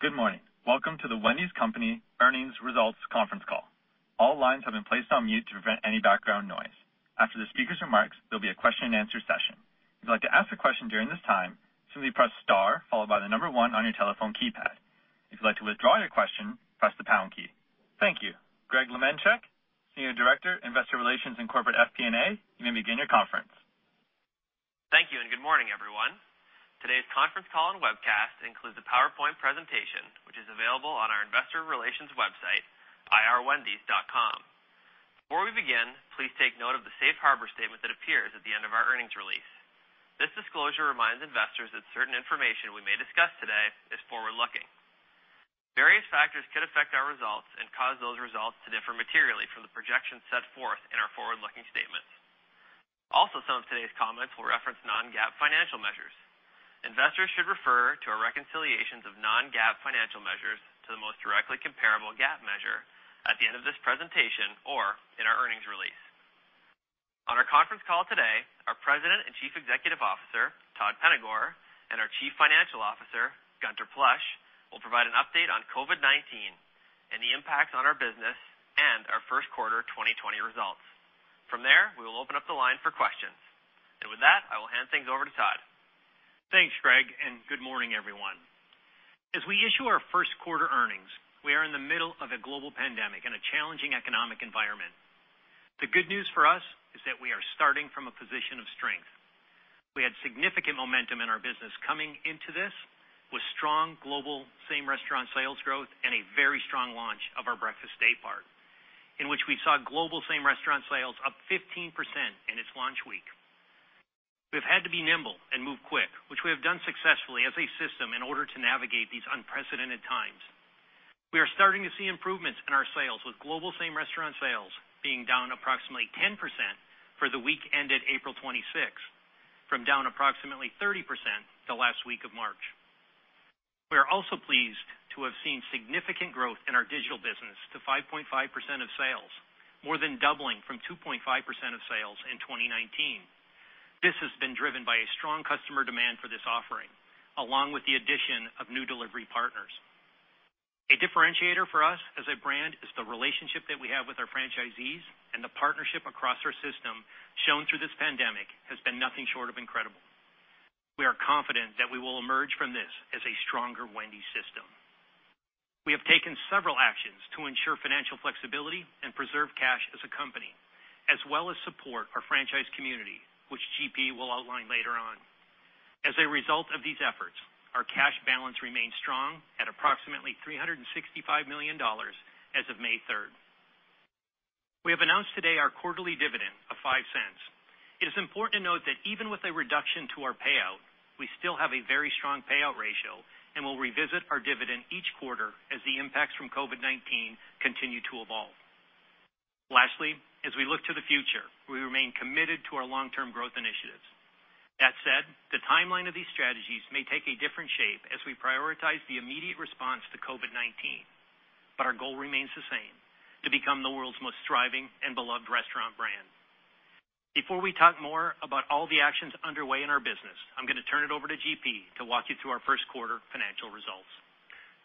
Good morning. Welcome to The Wendy’s Company Earnings Results Conference Call. All lines have been placed on mute to prevent any background noise. After the speakers' remarks, there’ll be a question and answer session. If you’d like to ask a question during this time, simply press star followed by the number one on your telephone keypad. If you’d like to withdraw your question, press the pound key. Thank you. Greg Lemenchick, Senior Director, Investor Relations and Corporate FP&A, you may begin your conference. Thank you. Good morning, everyone. Today’s conference call and webcast includes a PowerPoint presentation, which is available on our investor relations website, irwendys.com. Before we begin, please take note of the safe harbor statement that appears at the end of our earnings release. This disclosure reminds investors that certain information we may discuss today is forward-looking. Various factors could affect our results and cause those results to differ materially from the projections set forth in our forward-looking statements. Some of today’s comments will reference non-GAAP financial measures. Investors should refer to our reconciliations of non-GAAP financial measures to the most directly comparable GAAP measure at the end of this presentation or in our earnings release. On our conference call today, our President and Chief Executive Officer, Todd Penegor, and our Chief Financial Officer, Gunther Plosch, will provide an update on COVID-19 and the impacts on our business and our first quarter 2020 results. From there, we will open up the line for questions. With that, I will hand things over to Todd. Thanks, Greg. Good morning, everyone. As we issue our first quarter earnings, we are in the middle of a global pandemic and a challenging economic environment. The good news for us is that we are starting from a position of strength. We had significant momentum in our business coming into this with strong global Same-Restaurant Sales growth and a very strong launch of our breakfast daypart, in which we saw global Same-Restaurant Sales up 15% in its launch week. We’ve had to be nimble and move quick, which we have done successfully as a system in order to navigate these unprecedented times. We are starting to see improvements in our sales with global Same-Restaurant Sales being down approximately 10% for the week ended April 26, from down approximately 30% the last week of March. We are also pleased to have seen significant growth in our digital business to 5.5% of sales, more than doubling from 2.5% of sales in 2019. This has been driven by a strong customer demand for this offering, along with the addition of new delivery partners. A differentiator for us as a brand is the relationship that we have with our franchisees, and the partnership across our system shown through this pandemic has been nothing short of incredible. We are confident that we will emerge from this as a stronger Wendy's system. We have taken several actions to ensure financial flexibility and preserve cash as a company, as well as support our franchise community, which GP will outline later on. As a result of these efforts, our cash balance remains strong at approximately $365 million as of May 3rd. We have announced today our quarterly dividend of $0.05. It is important to note that even with a reduction to our payout, we still have a very strong payout ratio, and we’ll revisit our dividend each quarter as the impacts from COVID-19 continue to evolve. Lastly, as we look to the future, we remain committed to our long-term growth initiatives. That said, the timeline of these strategies may take a different shape as we prioritize the immediate response to COVID-19. Our goal remains the same, to become the world’s most thriving and beloved restaurant brand. Before we talk more about all the actions underway in our business, I’m going to turn it over to GP to walk you through our first quarter financial results.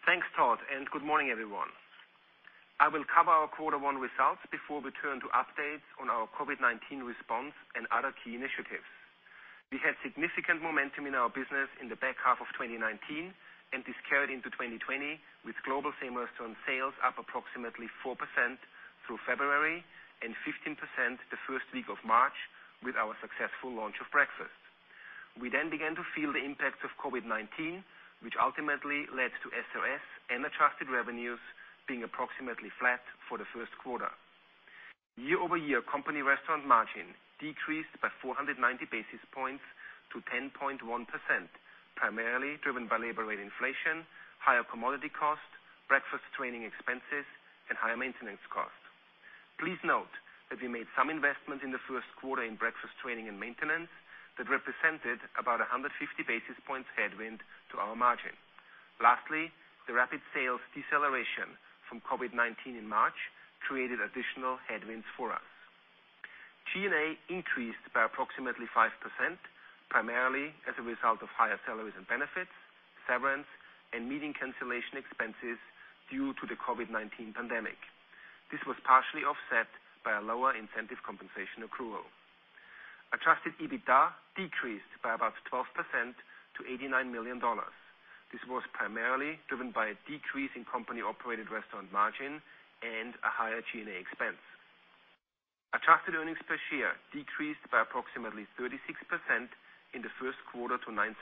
Thanks, Todd, and good morning, everyone. I will cover our quarter one results before we turn to updates on our COVID-19 response and other key initiatives. We had significant momentum in our business in the back half of 2019, and this carried into 2020 with global Same-Restaurant Sales up approximately 4% through February and 15% the first week of March with our successful launch of breakfast. We began to feel the impacts of COVID-19, which ultimately led to SRS and Adjusted revenues being approximately flat for the first quarter. Year-over-year company restaurant margin decreased by 490 basis points to 10.1%, primarily driven by labor rate inflation, higher commodity cost, breakfast training expenses, and higher maintenance cost. Please note that we made some investment in the first quarter in breakfast training and maintenance that represented about 150 basis points headwind to our margin. The rapid sales deceleration from COVID-19 in March created additional headwinds for us. G&A increased by approximately 5%, primarily as a result of higher salaries and benefits, severance, and meeting cancellation expenses due to the COVID-19 pandemic. This was partially offset by a lower incentive compensation accrual. Adjusted EBITDA decreased by about 12% to $89 million. This was primarily driven by a decrease in company-operated restaurant margin and a higher G&A expense. Adjusted earnings per share decreased by approximately 36% in the first quarter to $0.09,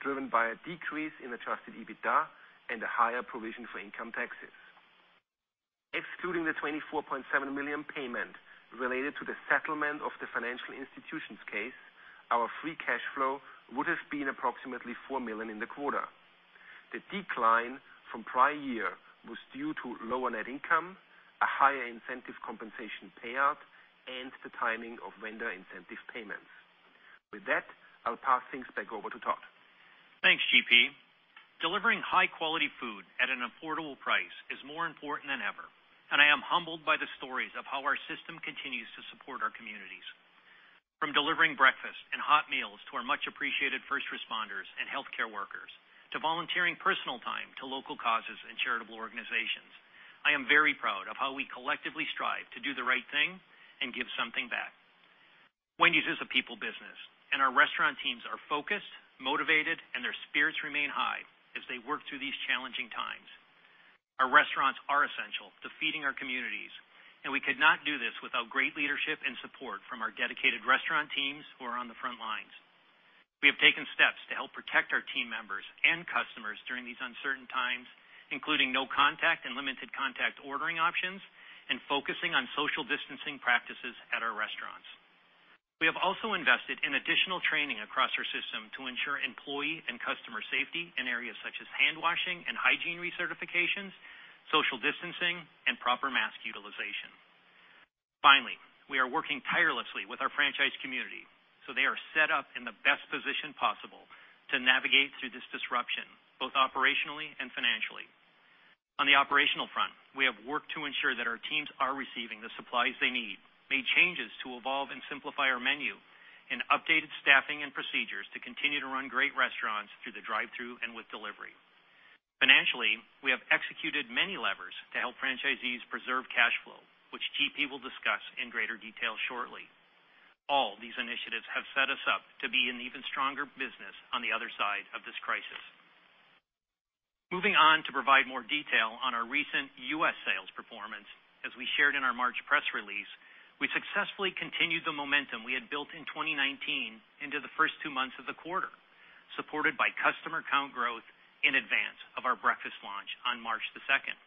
driven by a decrease in Adjusted EBITDA and a higher provision for income taxes. Excluding the $24.7 million payment related to the settlement of the financial institutions case, our free cash flow would've been approximately $4 million in the quarter. The decline from prior year was due to lower net income, a higher incentive compensation payout, and the timing of vendor incentive payments. With that, I’ll pass things back over to Todd. Thanks, GP. Delivering high quality food at an affordable price is more important than ever, and I am humbled by the stories of how our system continues to support our communities. From delivering breakfast and hot meals to our much appreciated first responders and healthcare workers, to volunteering personal time to local causes and charitable organizations, I am very proud of how we collectively strive to do the right thing and give something back. Wendy's is a people business, and our restaurant teams are focused, motivated, and their spirits remain high as they work through these challenging times. Our restaurants are essential to feeding our communities, and we could not do this without great leadership and support from our dedicated restaurant teams who are on the front lines. We have taken steps to help protect our team members and customers during these uncertain times, including no contact and limited contact ordering options, and focusing on social distancing practices at our restaurants. We have also invested in additional training across our system to ensure employee and customer safety in areas such as hand washing and hygiene recertifications, social distancing, and proper mask utilization. Finally, we are working tirelessly with our franchise community so they are set up in the best position possible to navigate through this disruption, both operationally and financially. On the operational front, we have worked to ensure that our teams are receiving the supplies they need, made changes to evolve and simplify our menu, and updated staffing and procedures to continue to run great restaurants through the drive-thru and with delivery. Financially, we have executed many levers to help franchisees preserve cash flow, which GP will discuss in greater detail shortly. All these initiatives have set us up to be an even stronger business on the other side of this crisis. Moving on to provide more detail on our recent U.S. sales performance, as we shared in our March press release, we successfully continued the momentum we had built in 2019 into the first two months of the quarter, supported by customer count growth in advance of our breakfast launch on March 2nd.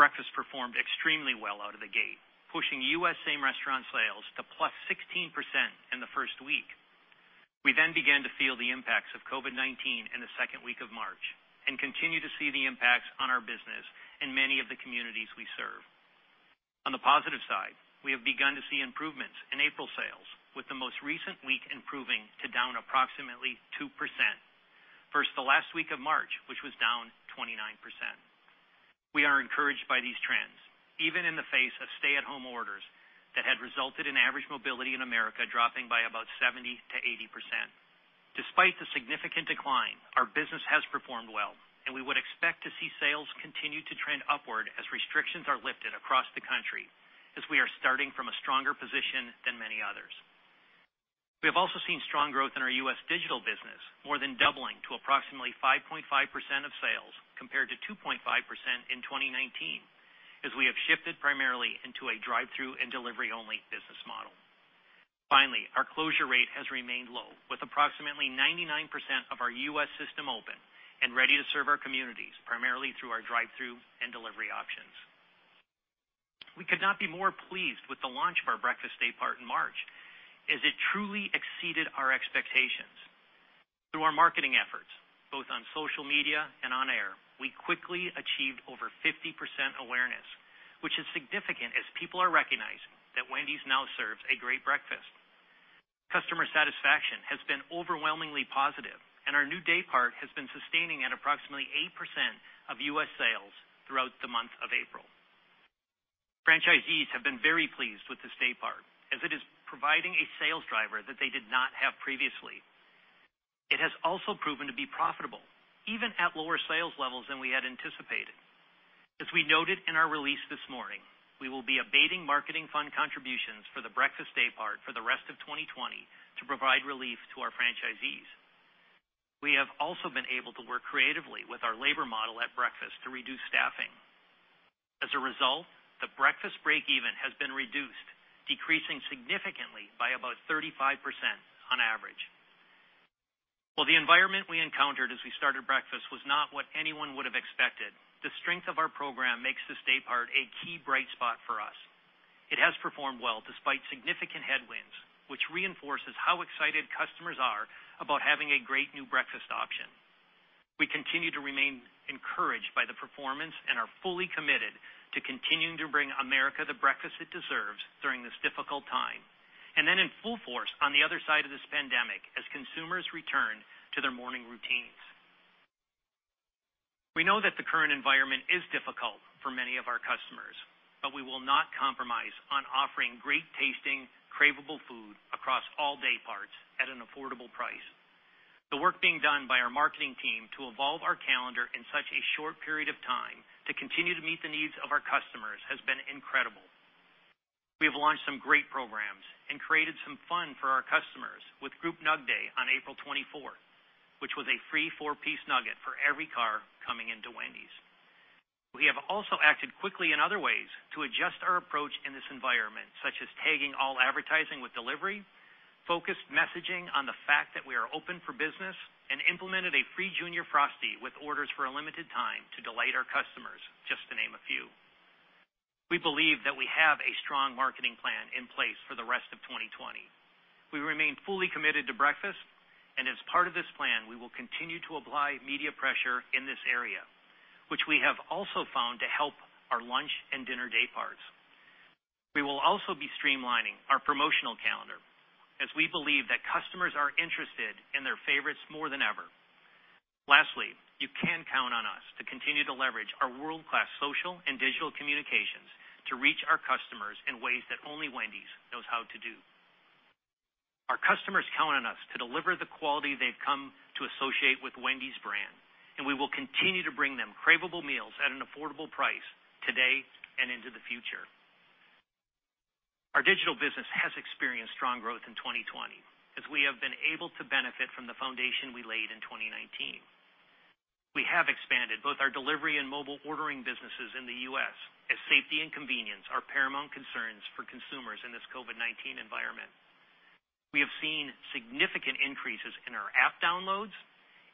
Breakfast performed extremely well out of the gate, pushing U.S. Same-Restaurant Sales to +16% in the first week. We then began to feel the impacts of COVID-19 in the second week of March and continue to see the impacts on our business in many of the communities we serve. On the positive side, we have begun to see improvements in April sales, with the most recent week improving to down approximately 2%, versus the last week of March, which was down 29%. We are encouraged by these trends, even in the face of stay-at-home orders that had resulted in average mobility in America dropping by about 70%-80%. Despite the significant decline, our business has performed well, and we would expect to see sales continue to trend upward as restrictions are lifted across the country, as we are starting from a stronger position than many others. We have also seen strong growth in our U.S. digital business, more than doubling to approximately 5.5% of sales compared to 2.5% in 2019, as we have shifted primarily into a drive-thru and delivery only business model. Our closure rate has remained low, with approximately 99% of our U.S. system open and ready to serve our communities, primarily through our drive-thru and delivery options. We could not be more pleased with the launch of our breakfast day part in March, as it truly exceeded our expectations. Through our marketing efforts, both on social media and on air, we quickly achieved over 50% awareness, which is significant as people are recognizing that Wendy's now serves a great breakfast. Customer satisfaction has been overwhelmingly positive, and our new day part has been sustaining at approximately 8% of U.S. sales throughout the month of April. Franchisees have been very pleased with this day part as it is providing a sales driver that they did not have previously. It has also proven to be profitable, even at lower sales levels than we had anticipated. As we noted in our release this morning, we will be abating marketing fund contributions for the breakfast day part for the rest of 2020 to provide relief to our franchisees. We have also been able to work creatively with our labor model at breakfast to reduce staffing. As a result, the breakfast breakeven has been reduced, decreasing significantly by about 35% on average. While the environment we encountered as we started breakfast was not what anyone would have expected, the strength of our program makes this day part a key bright spot for us. It has performed well despite significant headwinds, which reinforces how excited customers are about having a great new breakfast option. We continue to remain encouraged by the performance and are fully committed to continuing to bring America the breakfast it deserves during this difficult time, and then in full force on the other side of this pandemic as consumers return to their morning routines. We know that the current environment is difficult for many of our customers, but we will not compromise on offering great tasting, cravable food across all dayparts at an affordable price. The work being done by our marketing team to evolve our calendar in such a short period of time to continue to meet the needs of our customers has been incredible. We have launched some great programs and created some fun for our customers with GroupNug Day on April 24, which was a free four-piece nugget for every car coming into Wendy's. We have also acted quickly in other ways to adjust our approach in this environment, such as tagging all advertising with delivery, focused messaging on the fact that we are open for business, and implemented a free Junior Frosty with orders for a limited time to delight our customers, just to name a few. We believe that we have a strong marketing plan in place for the rest of 2020. We remain fully committed to breakfast, and as part of this plan, we will continue to apply media pressure in this area, which we have also found to help our lunch and dinner dayparts. We will also be streamlining our promotional calendar as we believe that customers are interested in their favorites more than ever. You can count on us to continue to leverage our world-class social and digital communications to reach our customers in ways that only Wendy's knows how to do. Our customers count on us to deliver the quality they've come to associate with Wendy's brand. We will continue to bring them craveable meals at an affordable price today and into the future. Our digital business has experienced strong growth in 2020 as we have been able to benefit from the foundation we laid in 2019. We have expanded both our delivery and mobile ordering businesses in the U.S. as safety and convenience are paramount concerns for consumers in this COVID-19 environment. We have seen significant increases in our app downloads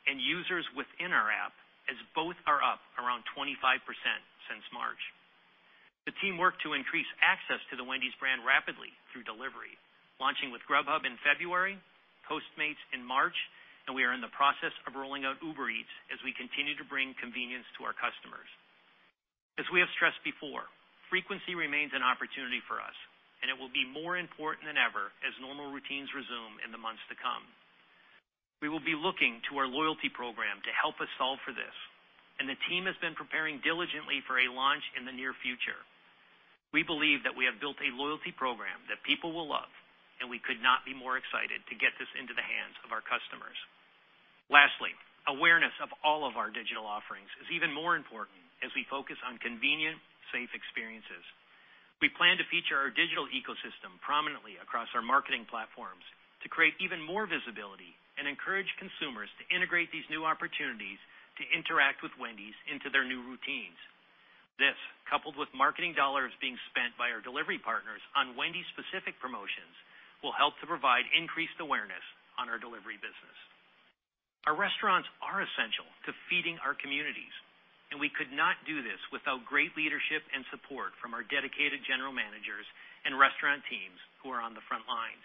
and users within our app, as both are up around 25% since March. The team worked to increase access to the Wendy's brand rapidly through delivery, launching with Grubhub in February, Postmates in March, and we are in the process of rolling out Uber Eats as we continue to bring convenience to our customers. As we have stressed before, frequency remains an opportunity for us, and it will be more important than ever as normal routines resume in the months to come. We will be looking to our loyalty program to help us solve for this, and the team has been preparing diligently for a launch in the near future. We believe that we have built a loyalty program that people will love, and we could not be more excited to get this into the hands of our customers. Lastly, awareness of all of our digital offerings is even more important as we focus on convenient, safe experiences. We plan to feature our digital ecosystem prominently across our marketing platforms to create even more visibility and encourage consumers to integrate these new opportunities to interact with Wendy's into their new routines. This, coupled with marketing dollars being spent by our delivery partners on Wendy's specific promotions, will help to provide increased awareness on our delivery business. Our restaurants are essential to feeding our communities, and we could not do this without great leadership and support from our dedicated general managers and restaurant teams who are on the front lines.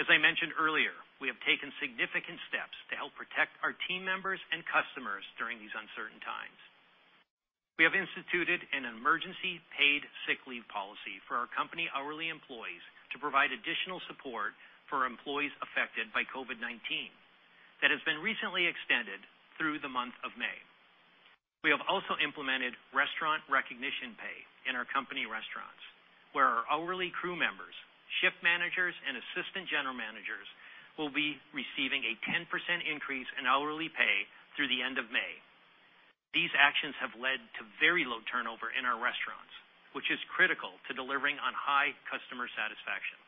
As I mentioned earlier, we have taken significant steps to help protect our team members and customers during these uncertain times. We have instituted an emergency paid sick leave policy for our company hourly employees to provide additional support for employees affected by COVID-19. That has been recently extended through the month of May. We have also implemented Restaurant Recognition Pay in our company restaurants, where our hourly crew members, shift managers, and assistant general managers will be receiving a 10% increase in hourly pay through the end of May. These actions have led to very low turnover in our restaurants, which is critical to delivering on high customer satisfaction.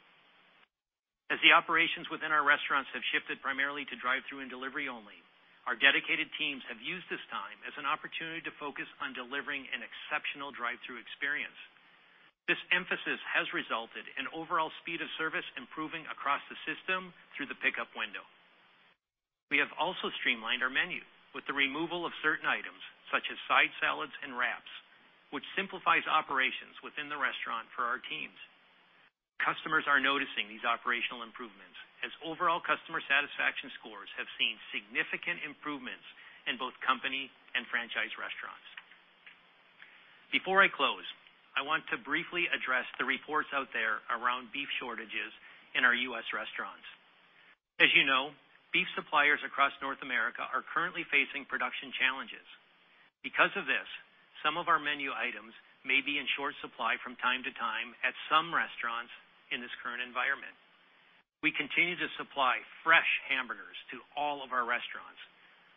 As the operations within our restaurants have shifted primarily to drive through and delivery only, our dedicated teams have used this time as an opportunity to focus on delivering an exceptional drive-through experience. This emphasis has resulted in overall speed of service improving across the system through the pickup window. We have also streamlined our menu with the removal of certain items such as side salads and wraps, which simplifies operations within the restaurant for our teams. Customers are noticing these operational improvements as overall customer satisfaction scores have seen significant improvements in both company and franchise restaurants. Before I close, I want to briefly address the reports out there around beef shortages in our U.S. restaurants. As you know, beef suppliers across North America are currently facing production challenges. Because of this, some of our menu items may be in short supply from time to time at some restaurants in this current environment. We continue to supply fresh hamburgers to all of our restaurants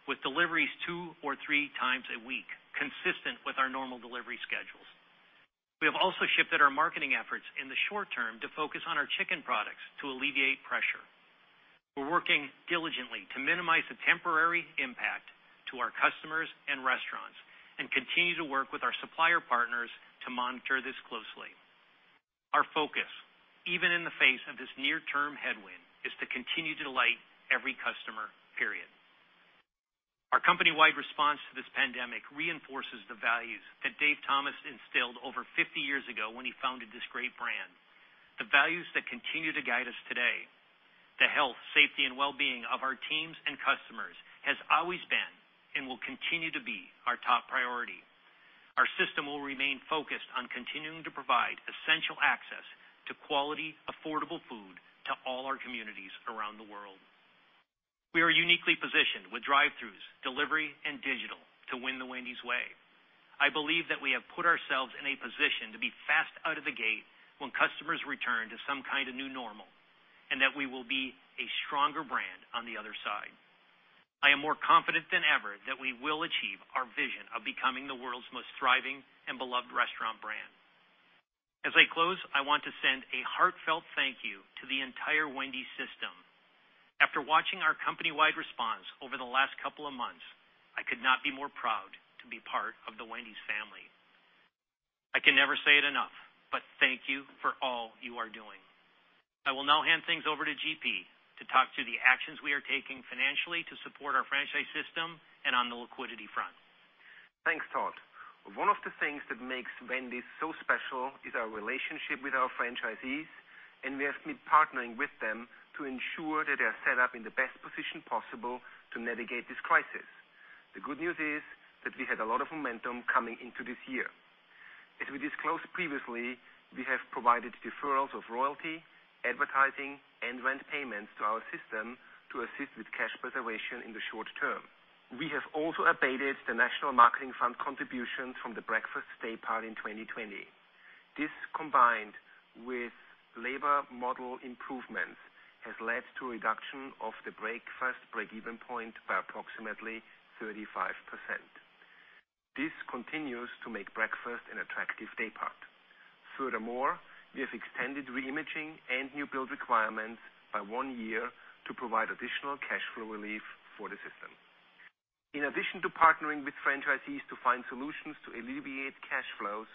with deliveries two or three times a week, consistent with our normal delivery schedules. We have also shifted our marketing efforts in the short term to focus on our chicken products to alleviate pressure. We're working diligently to minimize the temporary impact to our customers and restaurants and continue to work with our supplier partners to monitor this closely. Our focus, even in the face of this near-term headwind, is to continue to delight every customer, period. Our company-wide response to this pandemic reinforces the values that Dave Thomas instilled over 50 years ago when he founded this great brand, the values that continue to guide us today. The health, safety, and wellbeing of our teams and customers has always been and will continue to be our top priority. Our system will remain focused on continuing to provide essential access to quality, affordable food to all our communities around the world. We are uniquely positioned with drive-throughs, delivery, and digital to win the Wendy's way. I believe that we have put ourselves in a position to be fast out of the gate when customers return to some kind of new normal, and that we will be a stronger brand on the other side. I am more confident than ever that we will achieve our vision of becoming the world's most thriving and beloved restaurant brand. As I close, I want to send a heartfelt thank you to the entire Wendy's system. After watching our company-wide response over the last couple of months, I could not be more proud to be part of the Wendy's family. I can never say it enough, but thank you for all you are doing. I will now hand things over to GP to talk through the actions we are taking financially to support our franchise system and on the liquidity front. Thanks, Todd. One of the things that makes Wendy's so special is our relationship with our franchisees. We have been partnering with them to ensure that they are set up in the best position possible to navigate this crisis. The good news is that we had a lot of momentum coming into this year. As we disclosed previously, we have provided deferrals of royalty, advertising, and rent payments to our system to assist with cash preservation in the short term. We have also abated the national marketing fund contributions from the breakfast day part in 2020. This, combined with labor model improvements, has led to a reduction of the breakfast breakeven point by approximately 35%. This continues to make breakfast an attractive day part. We have extended reimaging and new build requirements by one year to provide additional cash flow relief for the system. In addition to partnering with franchisees to find solutions to alleviate cash flows,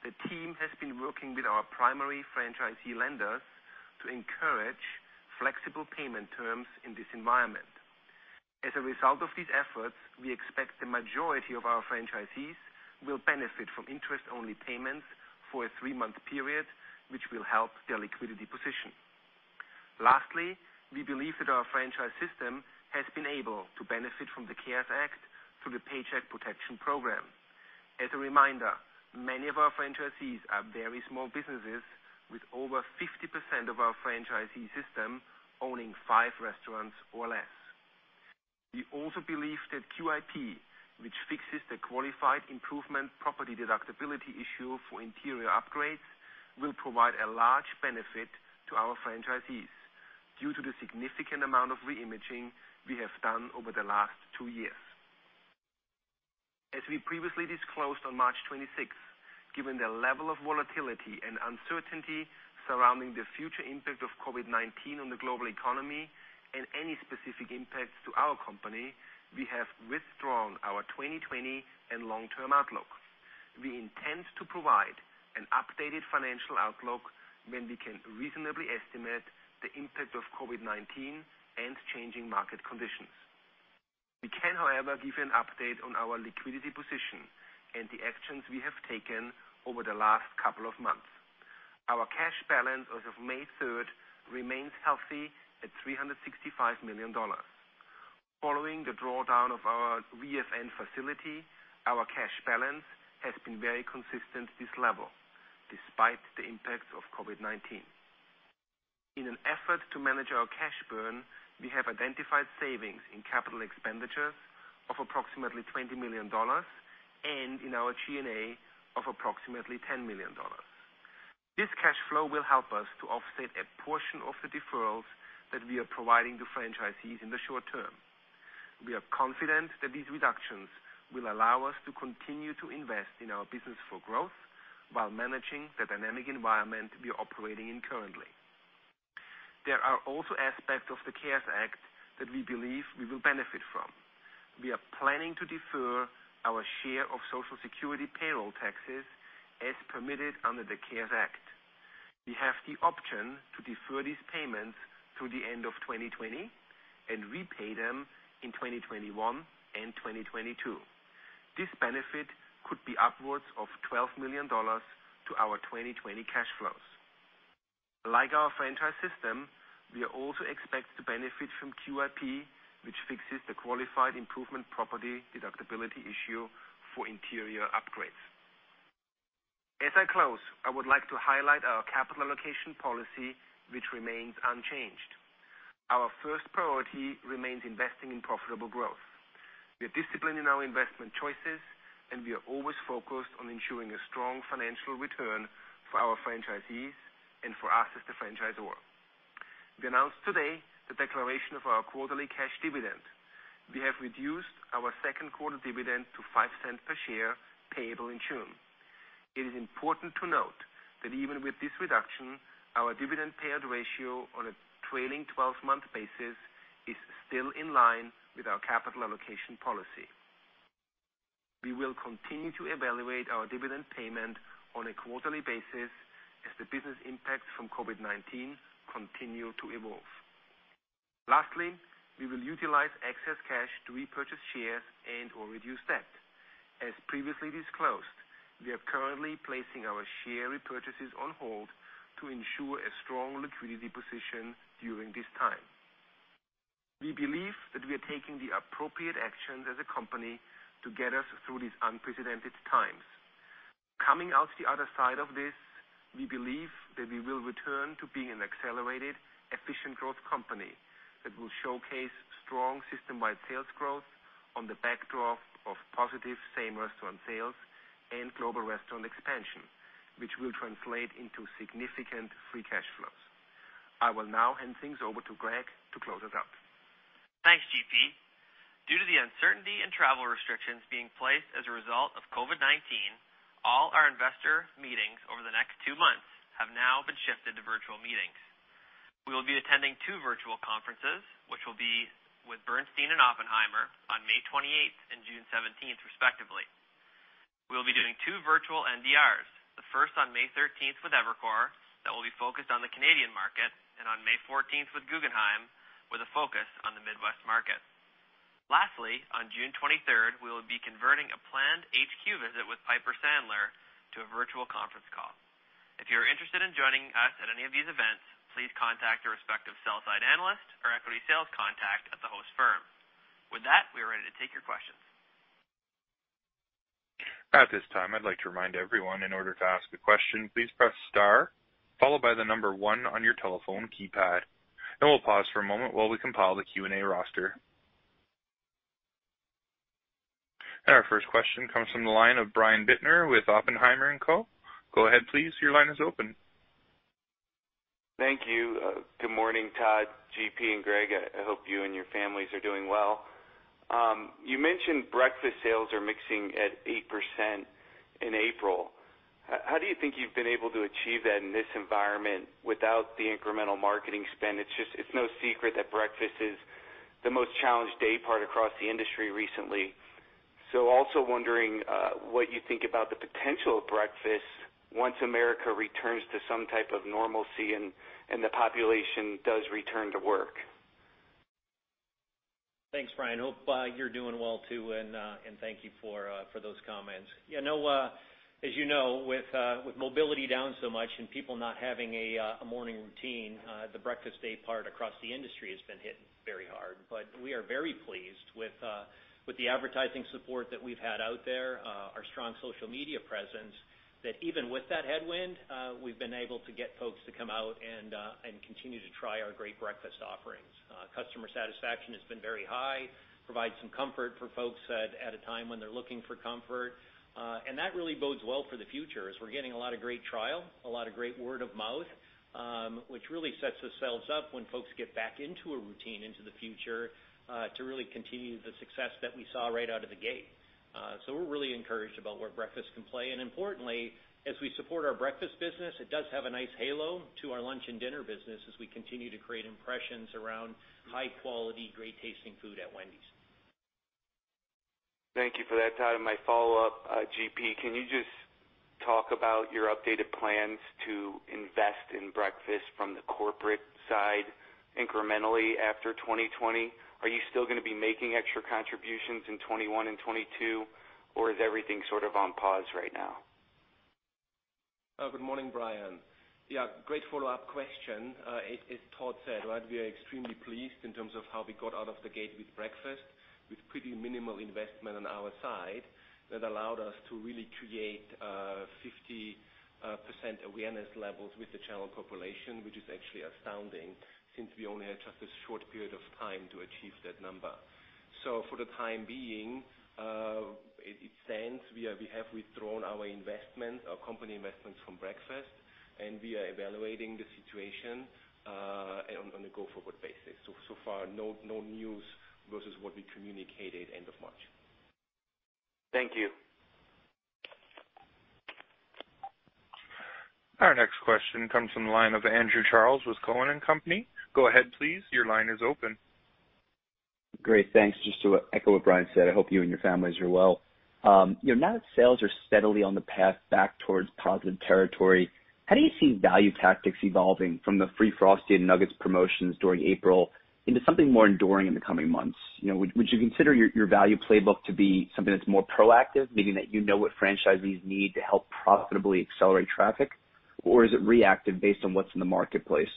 the team has been working with our primary franchisee lenders to encourage flexible payment terms in this environment. As a result of these efforts, we expect the majority of our franchisees will benefit from interest-only payments for a three-month period, which will help their liquidity position. Lastly, we believe that our franchise system has been able to benefit from the CARES Act through the Paycheck Protection Program. As a reminder, many of our franchisees are very small businesses, with over 50% of our franchisee system owning five restaurants or less. We also believe that QIP, which fixes the qualified improvement property deductibility issue for interior upgrades, will provide a large benefit to our franchisees due to the significant amount of reimaging we have done over the last two years. As we previously disclosed on March 26th, given the level of volatility and uncertainty surrounding the future impact of COVID-19 on the global economy and any specific impacts to our company, we have withdrawn our 2020 and long-term outlook. We intend to provide an updated financial outlook when we can reasonably estimate the impact of COVID-19 and changing market conditions. We can, however, give you an update on our liquidity position and the actions we have taken over the last couple of months. Our cash balance as of May 3rd remains healthy at $365 million. Following the drawdown of our VFN facility, our cash balance has been very consistent at this level, despite the impacts of COVID-19. In an effort to manage our cash burn, we have identified savings in capital expenditures of approximately $20 million and in our G&A of approximately $10 million. This cash flow will help us to offset a portion of the deferrals that we are providing to franchisees in the short term. We are confident that these reductions will allow us to continue to invest in our business for growth while managing the dynamic environment we are operating in currently. There are also aspects of the CARES Act that we believe we will benefit from. We are planning to defer our share of Social Security payroll taxes as permitted under the CARES Act. We have the option to defer these payments to the end of 2020 and repay them in 2021 and 2022. This benefit could be upwards of $12 million to our 2020 cash flows. Like our franchise system, we also expect to benefit from QIP, which fixes the qualified improvement property deductibility issue for interior upgrades. As I close, I would like to highlight our capital allocation policy, which remains unchanged. Our first priority remains investing in profitable growth. We are disciplined in our investment choices, and we are always focused on ensuring a strong financial return for our franchisees and for us as the franchisor. We announced today the declaration of our quarterly cash dividend. We have reduced our second quarter dividend to $0.05 per share, payable in June. It is important to note that even with this reduction, our dividend payout ratio on a trailing 12-month basis is still in line with our capital allocation policy. We will continue to evaluate our dividend payment on a quarterly basis as the business impacts from COVID-19 continue to evolve. Lastly, we will utilize excess cash to repurchase shares and/or reduce debt. As previously disclosed, we are currently placing our share repurchases on hold to ensure a strong liquidity position during this time. We believe that we are taking the appropriate actions as a company to get us through these unprecedented times. Coming out the other side of this, we believe that we will return to being an accelerated, efficient growth company that will showcase strong system-wide sales growth on the backdrop of positive Same-Restaurant Sales and global restaurant expansion, which will translate into significant free cash flows. I will now hand things over to Greg to close us out. Thanks, GP. Due to the uncertainty and travel restrictions being placed as a result of COVID-19, all our investor meetings over the next two months have now been shifted to virtual meetings. We will be attending two virtual conferences, which will be with Bernstein and Oppenheimer on May 28th and June 17th, respectively. We'll be doing two virtual NDRs, the first on May 13th with Evercore, that will be focused on the Canadian market, and on May 14th with Guggenheim, with a focus on the Midwest market. Lastly, on June 23rd converting a planned HQ visit with Piper Sandler to a virtual conference call. If you're interested in joining us at any of these events, please contact your respective sell side analyst or equity sales contact at the host firm. With that, we are ready to take your questions. At this time, I'd like to remind everyone, in order to ask a question, please press star followed by the number one on your telephone keypad, and we'll pause for a moment while we compile the Q&A roster. Our first question comes from the line of Brian Bittner with Oppenheimer & Co. Go ahead, please. Your line is open. Thank you. Good morning, Todd, GP, and Greg. I hope you and your families are doing well. You mentioned breakfast sales are mixing at 8% in April. How do you think you've been able to achieve that in this environment without the incremental marketing spend? It's no secret that breakfast is the most challenged day part across the industry recently. Also wondering what you think about the potential of breakfast once America returns to some type of normalcy and the population does return to work. Thanks, Brian. Hope you're doing well too, and thank you for those comments. As you know, with mobility down so much and people not having a morning routine, the breakfast day part across the industry has been hit very hard. We are very pleased with the advertising support that we've had out there, our strong social media presence, that even with that headwind, we've been able to get folks to come out and continue to try our great breakfast offerings. Customer satisfaction has been very high, provide some comfort for folks at a time when they're looking for comfort. That really bodes well for the future, as we're getting a lot of great trial, a lot of great word of mouth, which really sets ourselves up when folks get back into a routine into the future, to really continue the success that we saw right out of the gate. We're really encouraged about where breakfast can play. Importantly, as we support our breakfast business, it does have a nice halo to our lunch and dinner business as we continue to create impressions around high quality, great tasting food at Wendy's. Thank you for that, Todd. My follow-up, GP, can you just talk about your updated plans to invest in breakfast from the corporate side incrementally after 2020? Are you still going to be making extra contributions in 2021 and 2022, or is everything sort of on pause right now? Good morning, Brian. Yeah, great follow-up question. As Todd said, we are extremely pleased in terms of how we got out of the gate with breakfast, with pretty minimal investment on our side. That allowed us to really create 50% awareness levels with the general population, which is actually astounding since we only had just a short period of time to achieve that number. For the time being, it stands. We have withdrawn our investment, our company investments from breakfast, and we are evaluating the situation on a go forward basis. So far, no news versus what we communicated end of March. Thank you. Our next question comes from the line of Andrew Charles with Cowen and Company. Go ahead, please. Your line is open. Great. Thanks. Just to echo what Brian said, I hope you and your families are well. Now that sales are steadily on the path back towards positive territory, how do you see value tactics evolving from the free Frosty and nuggets promotions during April into something more enduring in the coming months? Would you consider your value playbook to be something that's more proactive, meaning that you know what franchisees need to help profitably accelerate traffic, or is it reactive based on what's in the marketplace?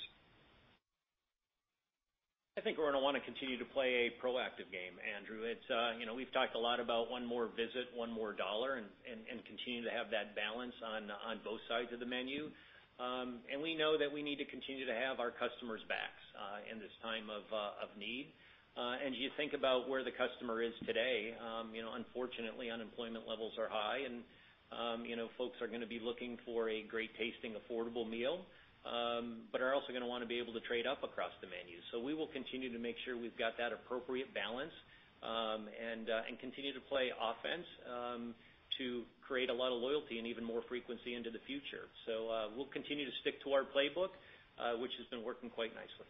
I think we're going to want to continue to play a proactive game, Andrew. Continue to have that balance on both sides of the menu. We know that we need to continue to have our customers' backs in this time of need. As you think about where the customer is today, unfortunately, unemployment levels are high, and folks are going to be looking for a great tasting, affordable meal, but are also going to want to be able to trade up across the menu. We will continue to make sure we've got that appropriate balance, and continue to play offense to create a lot of loyalty and even more frequency into the future. We'll continue to stick to our playbook, which has been working quite nicely.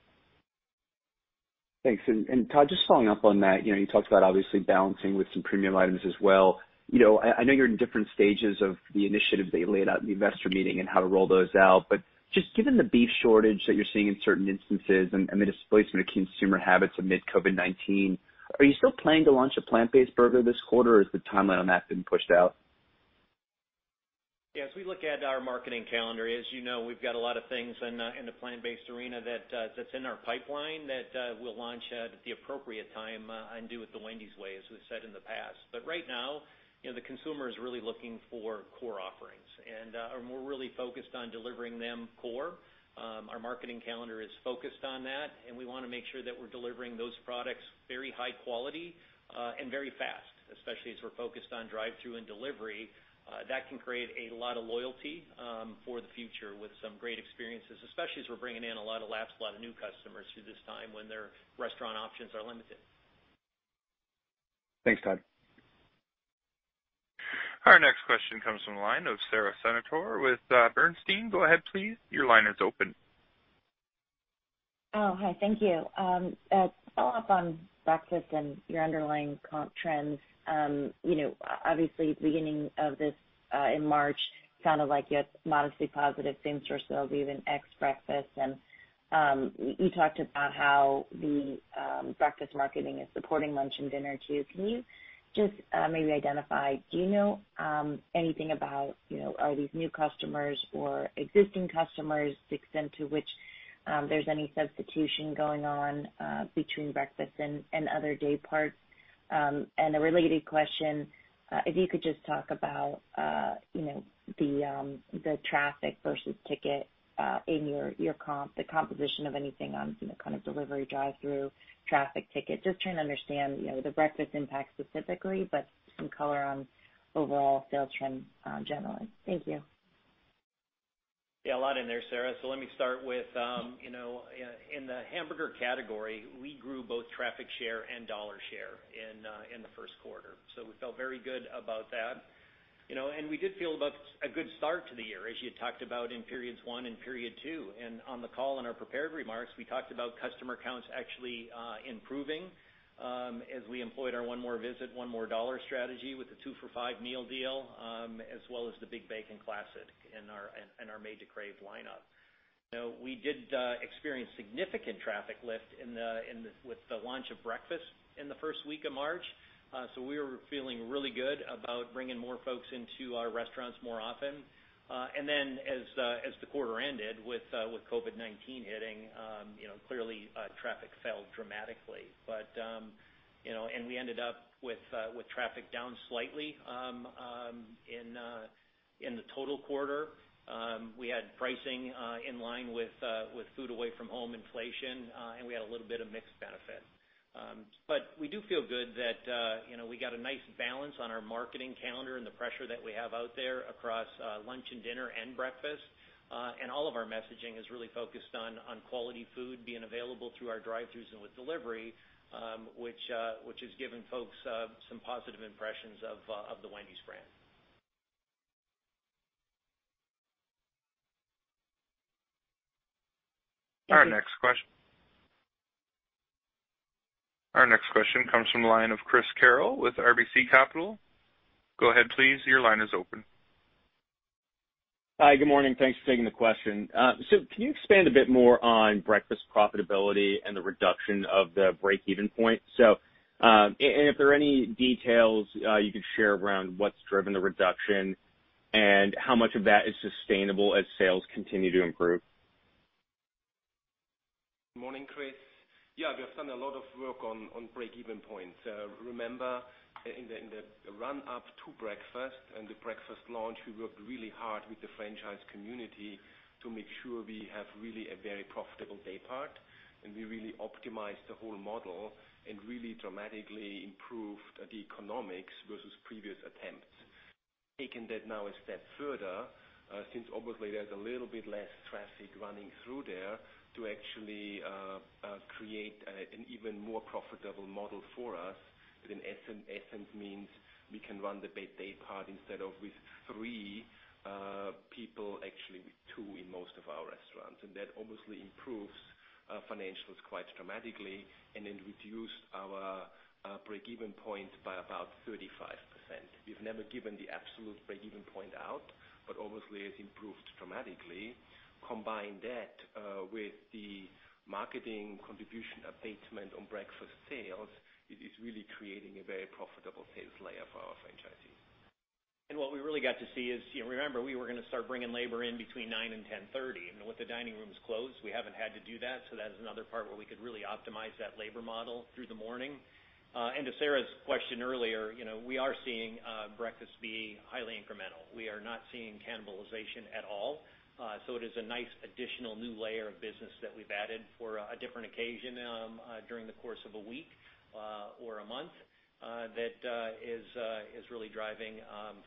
Thanks. Todd, just following up on that, you talked about obviously balancing with some premium items as well. I know you're in different stages of the initiatives that you laid out in the investor meeting and how to roll those out. Just given the beef shortage that you're seeing in certain instances and the displacement of consumer habits amid COVID-19, are you still planning to launch a plant-based burger this quarter, or has the timeline on that been pushed out? Yeah. As we look at our marketing calendar, as you know, we've got a lot of things in the plant-based arena that's in our pipeline that we'll launch at the appropriate time and do it the Wendy's way, as we've said in the past. Right now, the consumer is really looking for core offerings, and we're really focused on delivering them core. Our marketing calendar is focused on that, and we want to make sure that we're delivering those products very high quality and very fast. Especially as we're focused on drive through and delivery. That can create a lot of loyalty for the future with some great experiences, especially as we're bringing in a lot of lapsed, a lot of new customers through this time when their restaurant options are limited. Thanks, Todd. Our next question comes from the line of Sara Senatore with Bernstein. Go ahead, please. Your line is open. Oh, hi. Thank you. To follow up on breakfast and your underlying comp trends, obviously, beginning of this in March, sounded like you had modestly positive same-store sales, even ex-breakfast. You talked about how the breakfast marketing is supporting lunch and dinner too. Can you just maybe identify, do you know anything about are these new customers or existing customers, the extent to which there's any substitution going on between breakfast and other dayparts? A related question, if you could just talk about the traffic versus ticket in your comp, the composition of anything on kind of delivery, drive-through, traffic ticket. Just trying to understand the breakfast impact specifically, but some color on overall sales trends generally. Thank you. Yeah, a lot in there, Sara. Let me start with in the hamburger category, we grew both traffic share and dollar share in the first quarter. We felt very good about that. We did feel about a good start to the year, as you had talked about in periods one and period two. On the call in our prepared remarks, we talked about customer counts actually improving as we employed our "one more visit, one more dollar" strategy with the $2 for $5 Meal Deal, as well as the Big Bacon Classic in our Made to Crave lineup. We did experience significant traffic lift with the launch of breakfast in the first week of March. We were feeling really good about bringing more folks into our restaurants more often. As the quarter ended with COVID-19 hitting, clearly traffic fell dramatically. We ended up with traffic down slightly in the total quarter. We had pricing in line with food away from home inflation, and we had a little bit of mixed benefit. We do feel good that we got a nice balance on our marketing calendar and the pressure that we have out there across lunch and dinner and breakfast. All of our messaging is really focused on quality food being available through our drive-throughs and with delivery, which has given folks some positive impressions of the Wendy's brand. Thank you. Our next question comes from the line of Chris Carril with RBC Capital. Go ahead, please. Your line is open. Hi, good morning. Thanks for taking the question. Can you expand a bit more on breakfast profitability and the reduction of the break-even point? If there are any details you could share around what's driven the reduction and how much of that is sustainable as sales continue to improve? Morning, Chris. Yeah, we have done a lot of work on break-even points. Remember, in the run up to breakfast and the breakfast launch, we worked really hard with the franchise community to make sure we have really a very profitable day part, and we really optimized the whole model and really dramatically improved the economics versus previous attempts. Taking that now a step further, since obviously there's a little bit less traffic running through there to actually create an even more profitable model for us, that in essence means we can run the day part instead of with three people, actually with two in most of our restaurants. That obviously improves our financials quite dramatically and then reduced our break-even point by about 35%. We've never given the absolute break-even point out, but obviously it's improved dramatically. Combine that with the marketing contribution abatement on breakfast sales, it is really creating a very profitable sales layer for our franchisees. What we really got to see is, remember, we were going to start bringing labor in between 9:00 and 10:30. With the dining rooms closed, we haven't had to do that is another part where we could really optimize that labor model through the morning. To Sara's question earlier, we are seeing breakfast be highly incremental. We are not seeing cannibalization at all. It is a nice additional new layer of business that we've added for a different occasion during the course of a week or a month that is really driving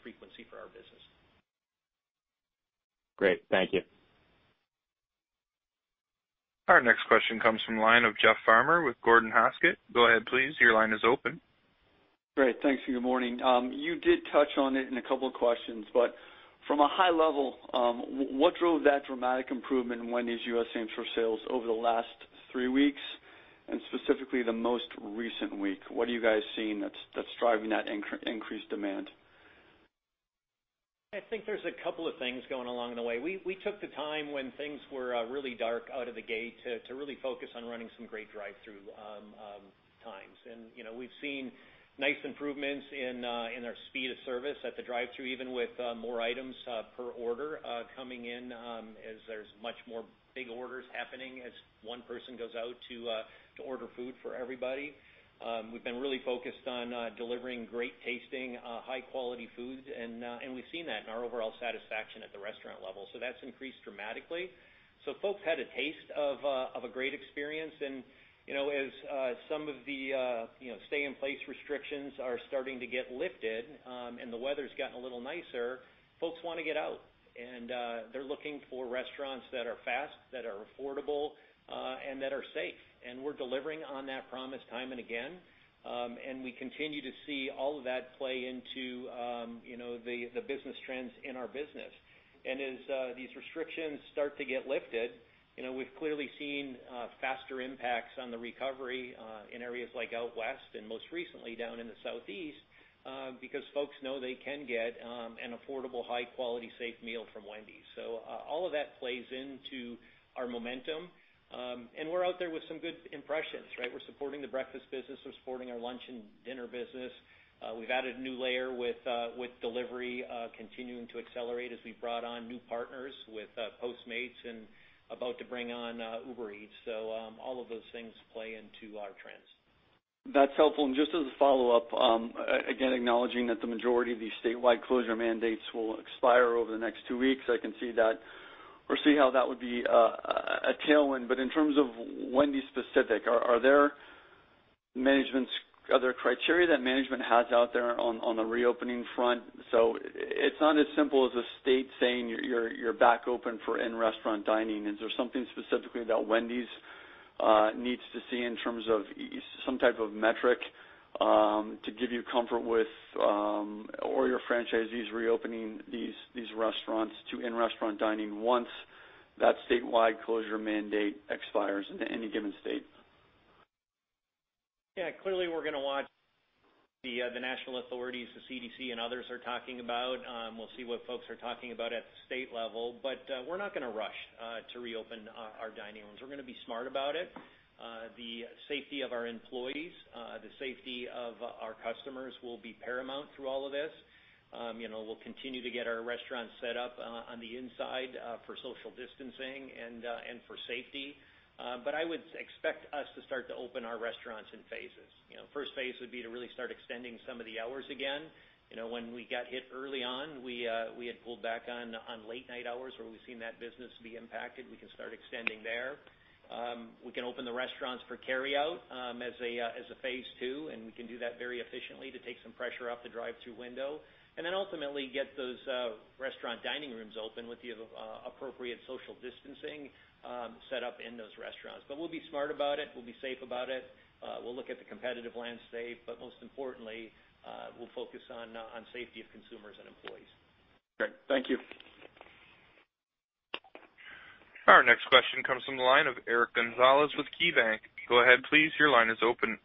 frequency for our business. Great. Thank you. Our next question comes from the line of Jeff Farmer with Gordon Haskett. Go ahead, please. Your line is open. Great. Thanks, and good morning. You did touch on it in a couple of questions, but from a high level, what drove that dramatic improvement in Wendy's U.S. same-store sales over the last three weeks, and specifically the most recent week? What are you guys seeing that's driving that increased demand? I think there's a couple of things going along the way. We took the time when things were really dark out of the gate to really focus on running some great drive-through times. We've seen nice improvements in our speed of service at the drive-through, even with more items per order coming in as there's much more big orders happening as one person goes out to order food for everybody. We've been really focused on delivering great tasting, high quality food, and we've seen that in our overall satisfaction at the restaurant level. That's increased dramatically. Folks had a taste of a great experience, and as some of the stay in place restrictions are starting to get lifted and the weather's gotten a little nicer, folks want to get out, and they're looking for restaurants that are fast, that are affordable, and that are safe. We're delivering on that promise time and again. We continue to see all of that play into the business trends in our business. As these restrictions start to get lifted. We've clearly seen faster impacts on the recovery in areas like out west and most recently down in the southeast, because folks know they can get an affordable, high quality, safe meal from Wendy's. All of that plays into our momentum. We're out there with some good impressions, right? We're supporting the breakfast business, we're supporting our lunch and dinner business. We've added a new layer with delivery, continuing to accelerate as we've brought on new partners with Postmates and about to bring on Uber Eats. All of those things play into our trends. That's helpful. Just as a follow-up, again, acknowledging that the majority of these statewide closure mandates will expire over the next two weeks, I can see how that would be a tailwind, but in terms of Wendy's specific, are there criteria that management has out there on the reopening front? It's not as simple as a state saying you're back open for in-restaurant dining. Is there something specifically that Wendy's needs to see in terms of some type of metric, to give you comfort with or your franchisees reopening these restaurants to in-restaurant dining once that statewide closure mandate expires in any given state? Yeah. Clearly, we're going to watch the national authorities, the CDC, and others are talking about. We'll see what folks are talking about at the state level. We're not going to rush to reopen our dining rooms. We're going to be smart about it. The safety of our employees, the safety of our customers will be paramount through all of this. We'll continue to get our restaurants set up on the inside, for social distancing and for safety. I would expect us to start to open our restaurants in phases. First phase would be to really start extending some of the hours again. When we got hit early on, we had pulled back on late night hours where we've seen that business be impacted. We can start extending there. We can open the restaurants for carryout, as a phase II, and we can do that very efficiently to take some pressure off the drive-through window. Ultimately get those restaurant dining rooms open with the appropriate social distancing set up in those restaurants. We'll be smart about it, we'll be safe about it. We'll look at the competitive landscape, but most importantly, we'll focus on safety of consumers and employees. Great. Thank you. Our next question comes from the line of Eric Gonzalez with KeyBanc. Go ahead, please. Your line is open.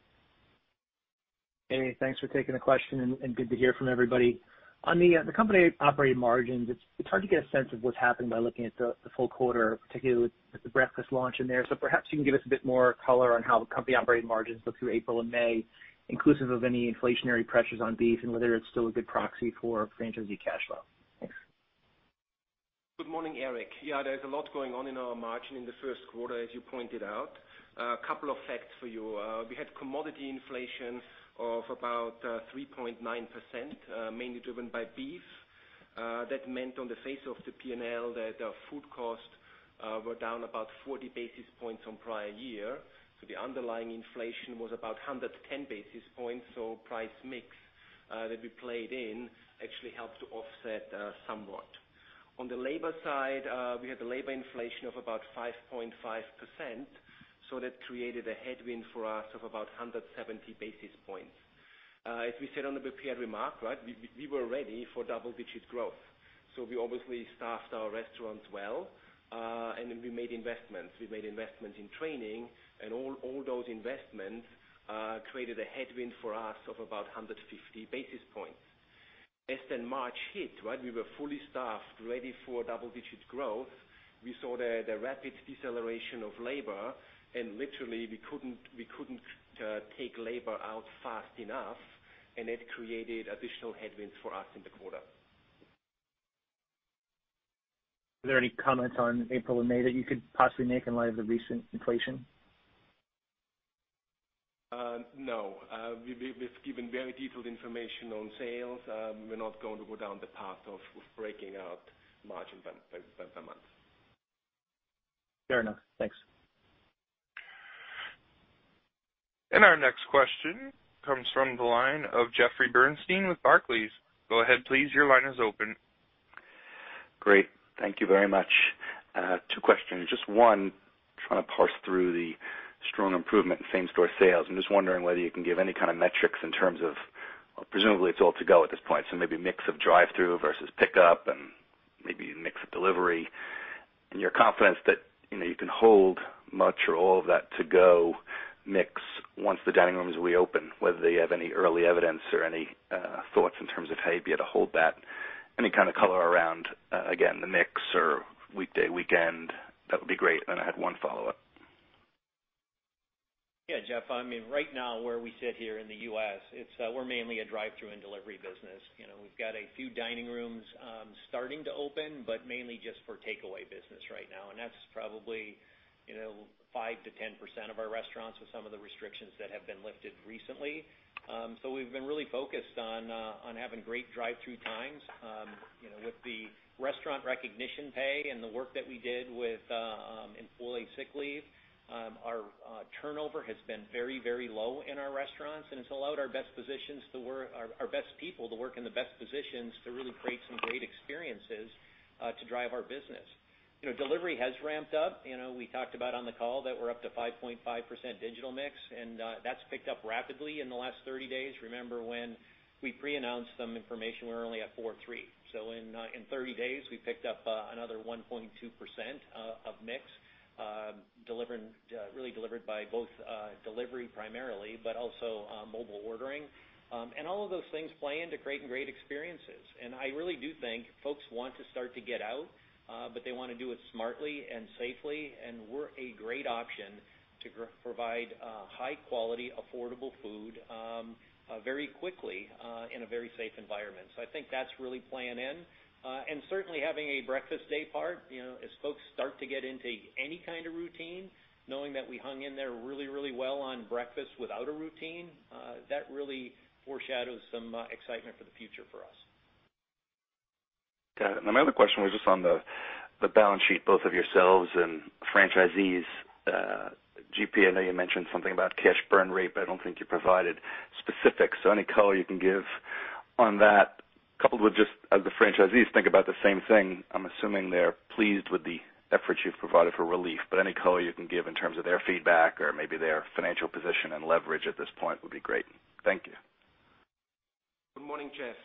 Hey, thanks for taking the question, and good to hear from everybody. On the company operating margins, it's hard to get a sense of what's happened by looking at the full quarter, particularly with the breakfast launch in there. Perhaps you can give us a bit more color on how the company operating margins look through April and May, inclusive of any inflationary pressures on beef and whether it's still a good proxy for franchisee cash flow. Thanks. Good morning, Eric. Yeah, there's a lot going on in our margin in the first quarter, as you pointed out. A couple of facts for you. We had commodity inflation of about 3.9%, mainly driven by beef. That meant on the face of the P&L that our food costs were down about 40 basis points on prior year. The underlying inflation was about 110 basis points. Price mix, that we played in actually helped to offset somewhat. On the labor side, we had the labor inflation of about 5.5%, so that created a headwind for us of about 170 basis points. As we said on the prepared remark, we were ready for double-digit growth. We obviously staffed our restaurants well. We made investments. We made investments in training and all those investments created a headwind for us of about 150 basis points. March hit, we were fully staffed, ready for double-digit growth. We saw the rapid deceleration of labor, and literally we couldn't take labor out fast enough, and it created additional headwinds for us in the quarter. Are there any comments on April and May that you could possibly make in light of the recent inflation? No. We've given very detailed information on sales. We're not going to go down the path of breaking out margin by month. Fair enough. Thanks. Our next question comes from the line of Jeffrey Bernstein with Barclays. Go ahead, please. Your line is open. Great. Thank you very much. Two questions. Just one, trying to parse through the strong improvement in same-store sales, and just wondering whether you can give any kind of metrics in terms of, presumably it's all to go at this point, so maybe mix of drive-through versus pickup and maybe mix of delivery. Your confidence that you can hold much or all of that to-go mix once the dining rooms reopen, whether you have any early evidence or any thoughts in terms of how you'd be able to hold that. Any kind of color around, again, the mix or weekday, weekend, that would be great. I had one follow-up. Yeah, Jeff. Right now where we sit here in the U.S., we're mainly a drive-through and delivery business. We've got a few dining rooms starting to open, but mainly just for takeaway business right now, and that's probably 5%-10% of our restaurants with some of the restrictions that have been lifted recently. We've been really focused on having great drive-through times. With the restaurant recognition pay and the work that we did with employee sick leave, our turnover has been very low in our restaurants, and it's allowed our best people to work in the best positions to really create some great experiences to drive our business. Delivery has ramped up. We talked about on the call that we're up to 5.5% digital mix, and that's picked up rapidly in the last 30 days. We pre-announced some information. We're only at 4.3%. In 30 days, we picked up another 1.2% of mix, really delivered by both delivery primarily, but also mobile ordering. All of those things play into creating great experiences. I really do think folks want to start to get out, but they want to do it smartly and safely, and we're a great option to provide high quality, affordable food, very quickly, in a very safe environment. I think that's really playing in. Certainly having a breakfast day part, as folks start to get into any kind of routine, knowing that we hung in there really well on breakfast without a routine, that really foreshadows some excitement for the future for us. Got it. My other question was just on the balance sheet, both of yourselves and franchisees. GP, I know you mentioned something about cash burn rate, but I don't think you provided specifics. Any color you can give on that, coupled with just as the franchisees think about the same thing, I'm assuming they're pleased with the efforts you've provided for relief, but any color you can give in terms of their feedback or maybe their financial position and leverage at this point would be great. Thank you. Good morning, Jeff.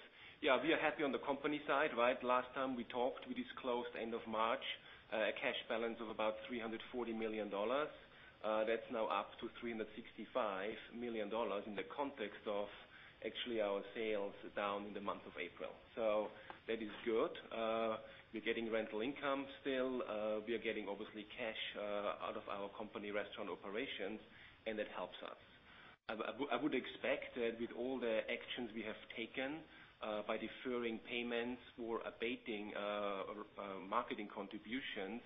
Yeah, we are happy on the company side. Last time we talked, we disclosed end of March a cash balance of about $340 million. That's now up to $365 million in the context of actually our sales down in the month of April. That is good. We're getting rental income still. We are getting, obviously, cash out of our company restaurant operations, and it helps us. I would expect that with all the actions we have taken, by deferring payments or abating marketing contributions,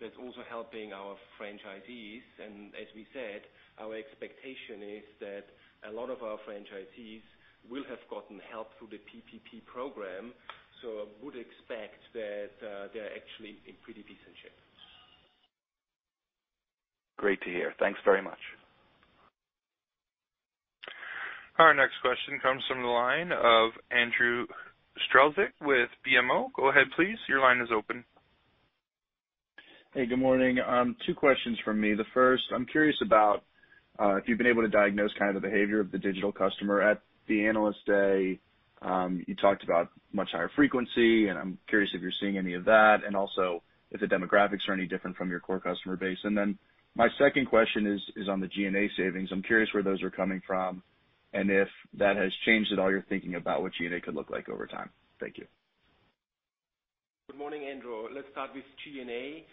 that's also helping our franchisees. As we said, our expectation is that a lot of our franchisees will have gotten help through the PPP Program. I would expect that they're actually in pretty decent shape. Great to hear. Thanks very much. Our next question comes from the line of Andrew Strelzik with BMO. Go ahead, please. Your line is open. Hey, good morning. Two questions from me. The first, I'm curious about if you've been able to diagnose the behavior of the digital customer. At the Analyst Day, you talked about much higher frequency, and I'm curious if you're seeing any of that, and also if the demographics are any different from your core customer base. My second question is on the G&A savings. I'm curious where those are coming from and if that has changed at all your thinking about what G&A could look like over time. Thank you. Good morning, Andrew. Let's start with G&A.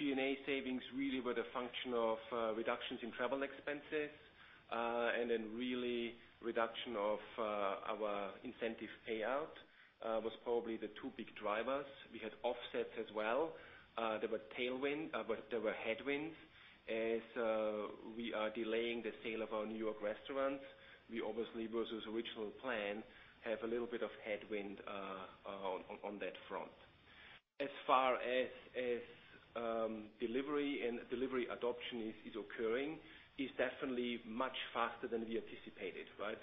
G&A savings really were the function of reductions in travel expenses, and then really reduction of our incentive payout, was probably the two big drivers. We had offsets as well. There were headwinds as we are delaying the sale of our New York restaurants. We obviously, versus original plan, have a little bit of headwind on that front. As far as delivery and delivery adoption is occurring, is definitely much faster than we anticipated. As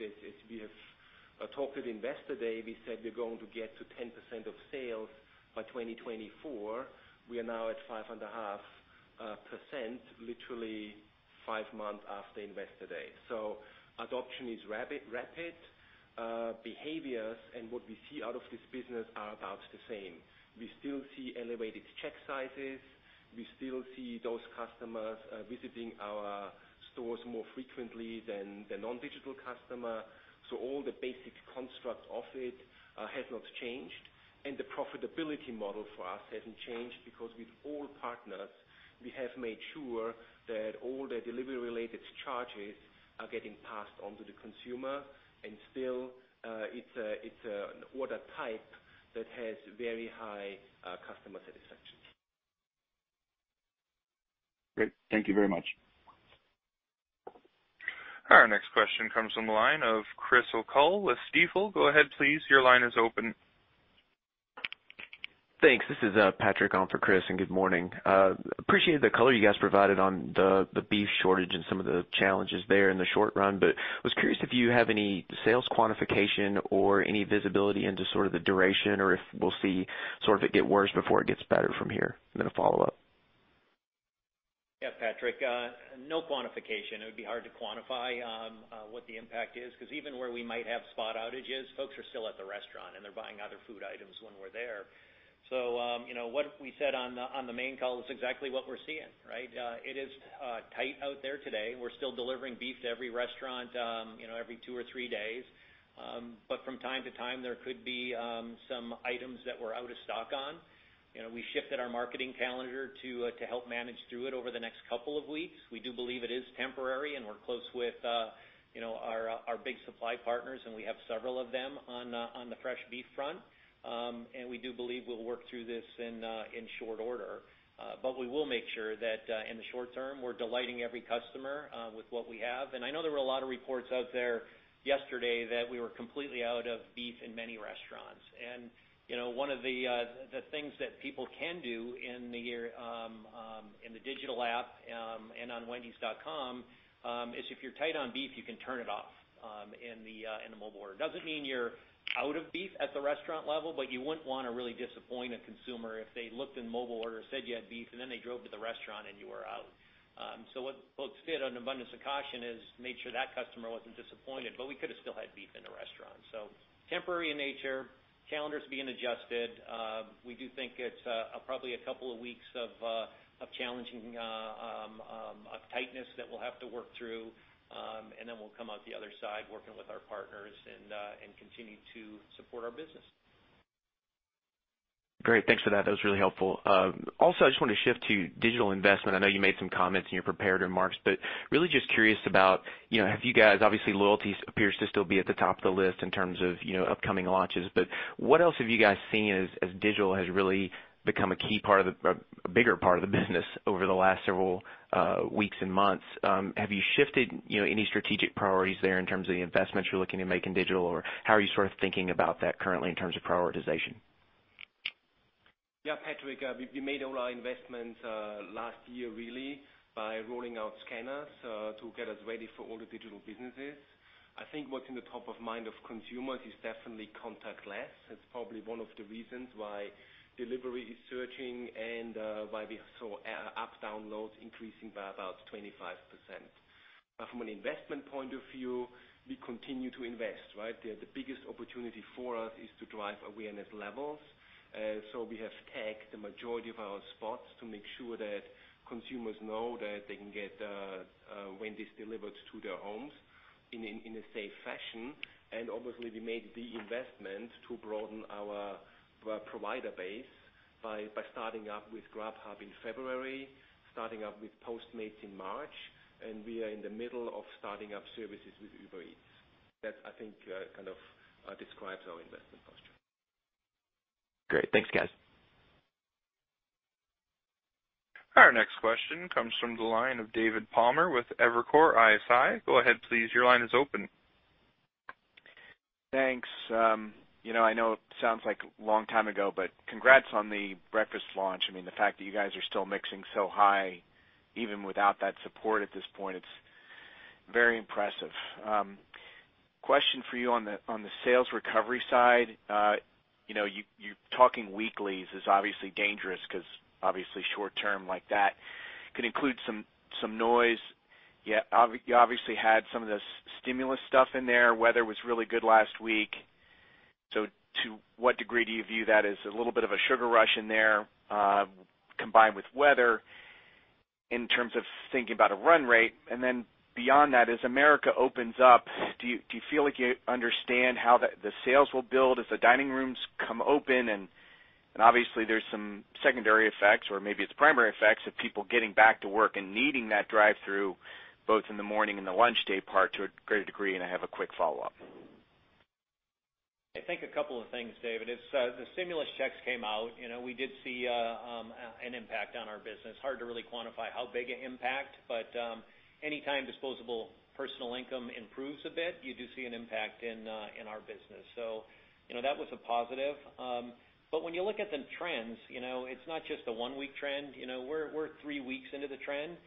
we have talked at Investor Day, we said we're going to get to 10% of sales by 2024. We are now at 5.5%, literally five months after Investor Day. Adoption is rapid. Behaviors and what we see out of this business are about the same. We still see elevated check sizes. We still see those customers visiting our stores more frequently than the non-digital customer. All the basic construct of it has not changed, and the profitability model for us hasn't changed because with all partners, we have made sure that all the delivery-related charges are getting passed on to the consumer, and still, it's an order type that has very high customer satisfaction. Great. Thank you very much. Our next question comes from the line of Chris O'Cull with Stifel. Go ahead, please. Your line is open. Thanks. This is Patrick on for Chris, and good morning. Appreciate the color you guys provided on the beef shortage and some of the challenges there in the short run, but was curious if you have any sales quantification or any visibility into sort of the duration, or if we'll see it get worse before it gets better from here. A follow-up. Yeah, Patrick, no quantification. It would be hard to quantify what the impact is, because even where we might have spot outages, folks are still at the restaurant, and they're buying other food items when we're there. What we said on the main call is exactly what we're seeing. It is tight out there today. We're still delivering beef to every restaurant every two or three days. From time to time, there could be some items that we're out of stock on. We shifted our marketing calendar to help manage through it over the next couple of weeks. We do believe it is temporary, and we're close with our big supply partners, and we have several of them on the fresh beef front. We do believe we'll work through this in short order. We will make sure that, in the short term, we're delighting every customer with what we have. I know there were a lot of reports out there yesterday that we were completely out of beef in many restaurants. One of the things that people can do in the digital app, and on wendys.com, is if you're tight on beef, you can turn it off in the mobile order. Doesn't mean you're out of beef at the restaurant level, but you wouldn't want to really disappoint a consumer if they looked in mobile order, said you had beef, and then they drove to the restaurant and you were out. What folks did, an abundance of caution, is made sure that customer wasn't disappointed, but we could have still had beef in the restaurant. Temporary in nature, calendars being adjusted. We do think it's probably a couple of weeks of challenging tightness that we'll have to work through, and then we'll come out the other side working with our partners and continue to support our business. Great. Thanks for that. That was really helpful. I just want to shift to digital investment. I know you made some comments in your prepared remarks, but really just curious about, obviously loyalty appears to still be at the top of the list in terms of upcoming launches, but what else have you guys seen as digital has really become a bigger part of the business over the last several weeks and months? Have you shifted any strategic priorities there in terms of the investments you're looking to make in digital, or how are you sort of thinking about that currently in terms of prioritization? Yeah, Patrick, we made all our investments last year really by rolling out scanners to get us ready for all the digital businesses. I think what's in the top of mind of consumers is definitely contactless. That's probably one of the reasons why delivery is surging and why we saw app downloads increasing by about 25%. From an investment point of view, we continue to invest, right? The biggest opportunity for us is to drive awareness levels. We have tagged the majority of our spots to make sure that consumers know that they can get Wendy's delivered to their homes in a safe fashion. Obviously, we made the investment to broaden our provider base by starting up with Grubhub in February, starting up with Postmates in March, and we are in the middle of starting up services with Uber Eats. That, I think describes our investment posture. Great. Thanks, guys. Our next question comes from the line of David Palmer with Evercore ISI. Go ahead, please. Your line is open. Thanks. I know it sounds like a long time ago, congrats on the breakfast launch. The fact that you guys are still mixing so high even without that support at this point, it's very impressive. Question for you on the sales recovery side. You talking weeklies is obviously dangerous because obviously short-term like that could include some noise. You obviously had some of the stimulus stuff in there. Weather was really good last week. To what degree do you view that as a little bit of a sugar rush in there, combined with weather, in terms of thinking about a run rate? Beyond that, as America opens up, do you feel like you understand how the sales will build as the dining rooms come open, and obviously there's some secondary effects, or maybe it's primary effects of people getting back to work and needing that drive-thru both in the morning and the lunch day part to a greater degree? I have a quick follow-up. I think a couple of things, David. It's the stimulus checks came out. We did see an impact on our business. Hard to really quantify how big an impact, anytime disposable personal income improves a bit, you do see an impact in our business. That was a positive. When you look at the trends, it's not just a one-week trend. We're three weeks into the trend,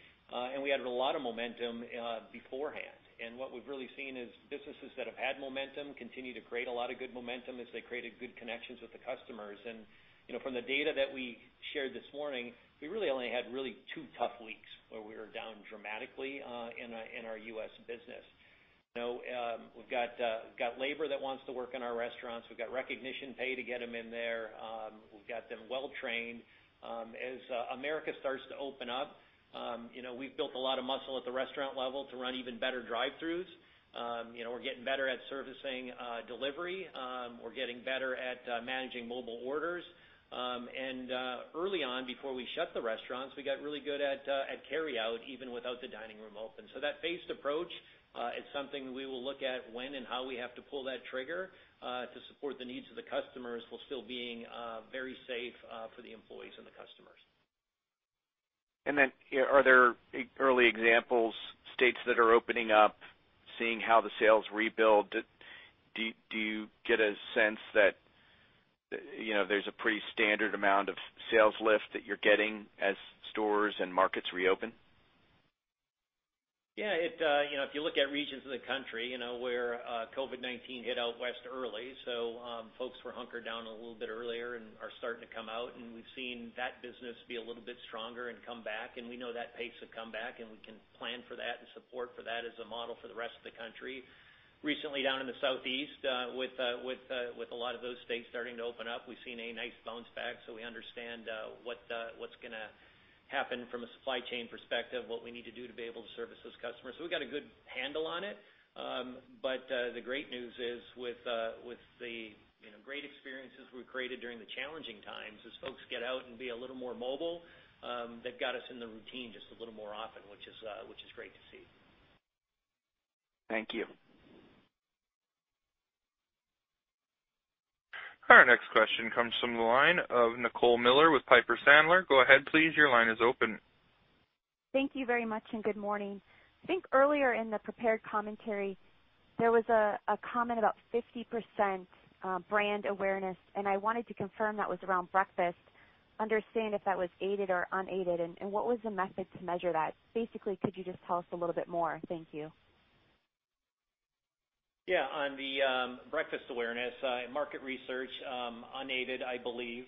we added a lot of momentum beforehand. What we've really seen is businesses that have had momentum continue to create a lot of good momentum as they created good connections with the customers. From the data that we shared this morning, we really only had really two tough weeks where we were down dramatically in our U.S. business. We've got labor that wants to work in our restaurants. We've got recognition pay to get them in there. We've got them well-trained. As America starts to open up, we've built a lot of muscle at the restaurant level to run even better drive-thrus. We're getting better at servicing delivery. We're getting better at managing mobile orders. Early on, before we shut the restaurants, we got really good at carryout, even without the dining room open. That phased approach, it's something we will look at when and how we have to pull that trigger to support the needs of the customers while still being very safe for the employees and the customers. Are there early examples, states that are opening up, seeing how the sales rebuild, do you get a sense that there's a pretty standard amount of sales lift that you're getting as stores and markets reopen? Yeah. If you look at regions of the country, where COVID-19 hit out West early, folks were hunkered down a little bit earlier and are starting to come out, and we've seen that business be a little bit stronger and come back, and we know that pace of comeback and we can plan for that and support for that as a model for the rest of the country. Recently down in the Southeast, with a lot of those states starting to open up, we've seen a nice bounce back, we understand what's going to happen from a supply chain perspective, what we need to do to be able to service those customers. We've got a good handle on it. The great news is with the great experiences we've created during the challenging times, as folks get out and be a little more mobile, they've got us in the routine just a little more often, which is great to see. Thank you. Our next question comes from the line of Nicole Miller with Piper Sandler. Go ahead, please. Your line is open. Thank you very much, and good morning. I think earlier in the prepared commentary, there was a comment about 50% brand awareness, and I wanted to confirm that was around breakfast. Understand if that was aided or unaided, and what was the method to measure that? Basically, could you just tell us a little bit more? Thank you. Yeah. On the breakfast awareness, market research, unaided, I believe.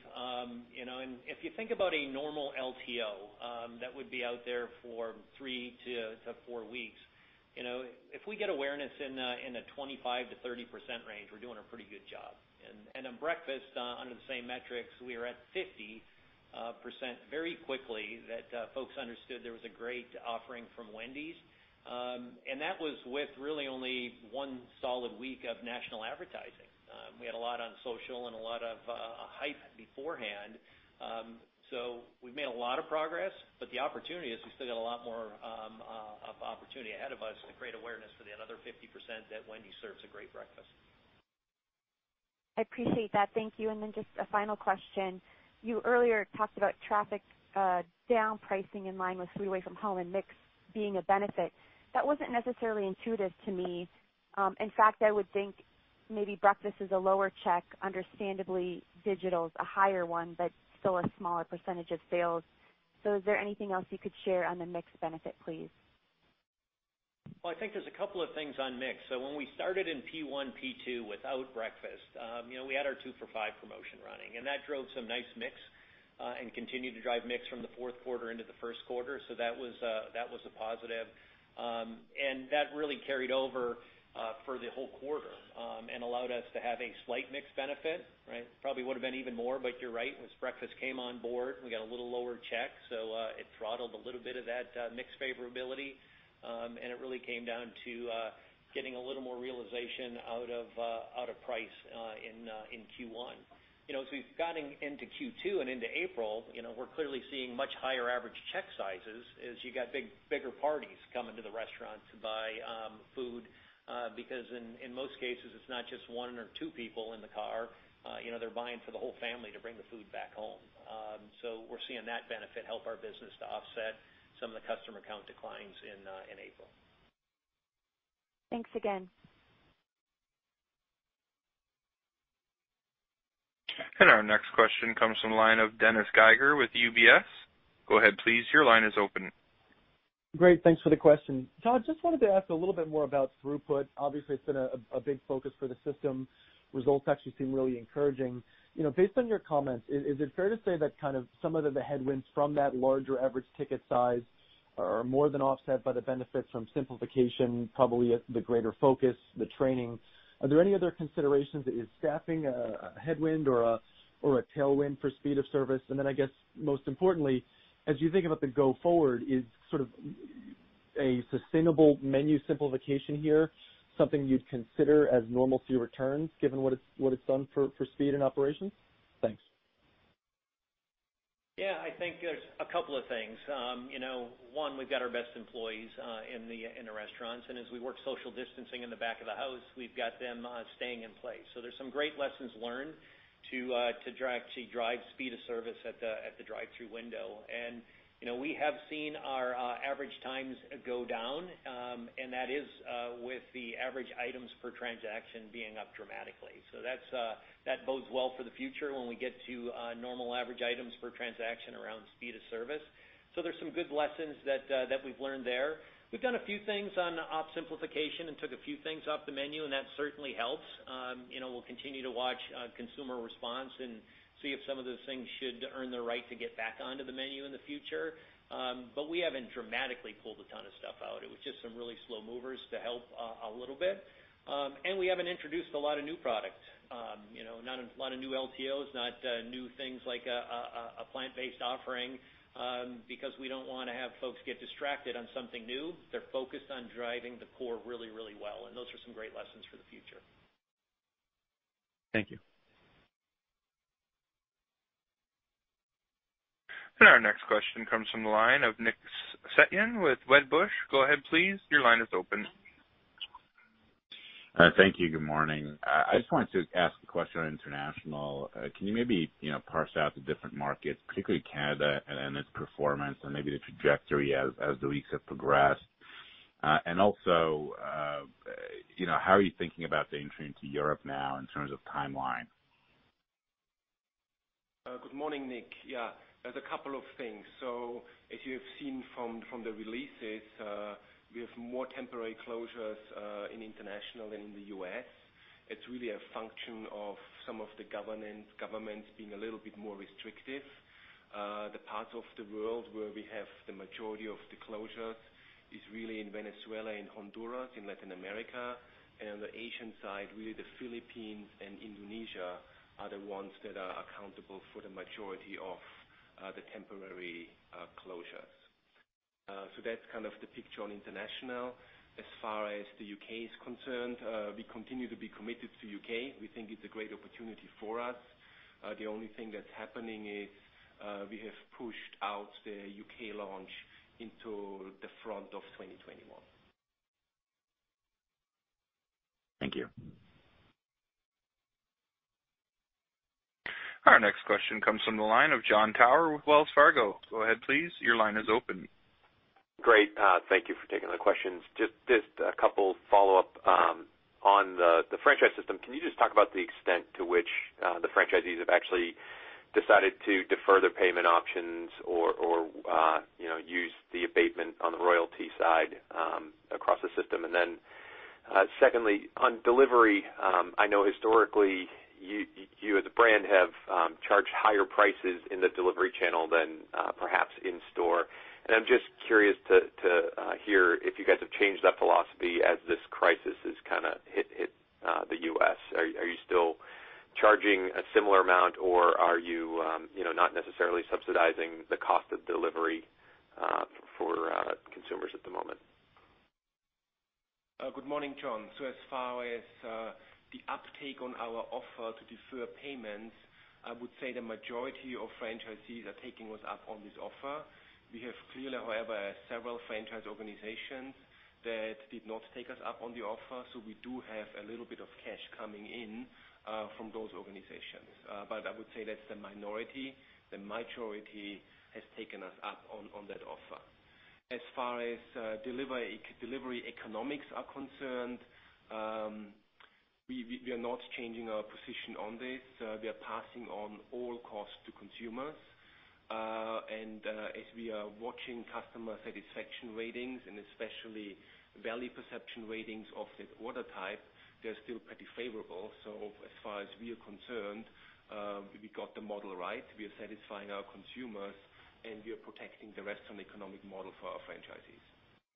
If you think about a normal LTO that would be out there for three to four weeks, if we get awareness in the 25%-30% range, we're doing a pretty good job. In breakfast, under the same metrics, we are at 50% very quickly that folks understood there was a great offering from Wendy's. That was with really only one solid week of national advertising. We had a lot on social and a lot of hype beforehand. We've made a lot of progress, but the opportunity is we've still got a lot more opportunity ahead of us to create awareness for the other 50% that Wendy's serves a great breakfast. I appreciate that. Thank you. Then just a final question. You earlier talked about traffic down pricing in line with away-from-home and mix being a benefit. That wasn't necessarily intuitive to me. In fact, I would think maybe breakfast is a lower check, understandably, digital's a higher one, but still a smaller percentage of sales. Is there anything else you could share on the mix benefit, please? Well, I think there's a couple of things on mix. When we started in P1, P2 without breakfast, we had our two-for-five promotion running, and that drove some nice mix, and continued to drive mix from the fourth quarter into the first quarter, so that was a positive. That really carried over for the whole quarter, and allowed us to have a slight mix benefit. Probably would've been even more, but you're right, once breakfast came on board, we got a little lower check, so it throttled a little bit of that mix favorability. It really came down to getting a little more realization out of price in Q1. As we've gotten into Q2 and into April, we're clearly seeing much higher average check sizes as you got bigger parties coming to the restaurant to buy food, because in most cases, it's not just one or two people in the car. They're buying for the whole family to bring the food back home. We're seeing that benefit help our business to offset some of the customer count declines in April. Thanks again. Our next question comes from the line of Dennis Geiger with UBS. Go ahead, please. Your line is open. Great. Thanks for the question. Todd, just wanted to ask a little bit more about throughput. Obviously, it's been a big focus for the system. Results actually seem really encouraging. Based on your comments, is it fair to say that kind of some of the headwinds from that larger average ticket size are more than offset by the benefits from simplification, probably the greater focus, the training? Are there any other considerations? Is staffing a headwind or a tailwind for speed of service? I guess most importantly, as you think about the go forward, is sort of a sustainable menu simplification here something you'd consider as normalcy returns given what it's done for speed and operations? Thanks. Yeah, I think there's a couple of things. One, we've got our best employees in the restaurants. As we work social distancing in the back of the house, we've got them staying in place. There's some great lessons learned to actually drive speed of service at the drive-thru window. We have seen our average times go down, and that is with the average items per transaction being up dramatically. That bodes well for the future when we get to normal average items per transaction around speed of service. There's some good lessons that we've learned there. We've done a few things on op simplification and took a few things off the menu. That certainly helps. We'll continue to watch consumer response and see if some of those things should earn the right to get back onto the menu in the future. We haven't dramatically pulled a ton of stuff out. It was just some really slow movers to help a little bit. We haven't introduced a lot of new product. Not a lot of new LTOs, not new things like a plant-based offering, because we don't want to have folks get distracted on something new. They're focused on driving the core really, really well, and those are some great lessons for the future. Thank you. Our next question comes from the line of Nick Setyan with Wedbush. Go ahead, please. Your line is open. Thank you. Good morning. I just wanted to ask a question on international. Can you maybe parse out the different markets, particularly Canada and its performance, and maybe the trajectory as the weeks have progressed? Also, how are you thinking about the entry into Europe now in terms of timeline? Good morning, Nick. Yeah. There's a couple of things. As you have seen from the releases, we have more temporary closures in international than in the U.S. It's really a function of some of the governments being a little bit more restrictive. The parts of the world where we have the majority of the closures is really in Venezuela and Honduras, in Latin America. On the Asian side, really the Philippines and Indonesia are the ones that are accountable for the majority of the temporary closures. That's kind of the picture on international. As far as the U.K. is concerned, we continue to be committed to U.K. We think it's a great opportunity for us. The only thing that's happening is, we have pushed out the U.K. launch into the front of 2021. Thank you. Our next question comes from the line of Jon Tower with Wells Fargo. Go ahead, please. Your line is open. Great. Thank you for taking the questions. Just a couple follow-up on the franchise system. Can you just talk about the extent to which the franchisees have actually decided to defer their payment options or use the abatement on the royalty side across the system? Secondly, on delivery, I know historically, you as a brand have charged higher prices in the delivery channel than perhaps in store, I'm just curious to hear if you guys have changed that philosophy as this crisis has hit the U.S. Are you still charging a similar amount, or are you not necessarily subsidizing the cost of delivery for consumers at the moment? Good morning, Jon. As far as the uptake on our offer to defer payments, I would say the majority of franchisees are taking us up on this offer. We have clearly, however, several franchise organizations that did not take us up on the offer, so we do have a little bit of cash coming in from those organizations. I would say that's the minority. The majority has taken us up on that offer. As far as delivery economics are concerned, we are not changing our position on this. We are passing on all costs to consumers. As we are watching customer satisfaction ratings and especially value perception ratings of that order type, they're still pretty favorable. As far as we are concerned, we got the model right. We are satisfying our consumers, and we are protecting the restaurant economic model for our franchisees.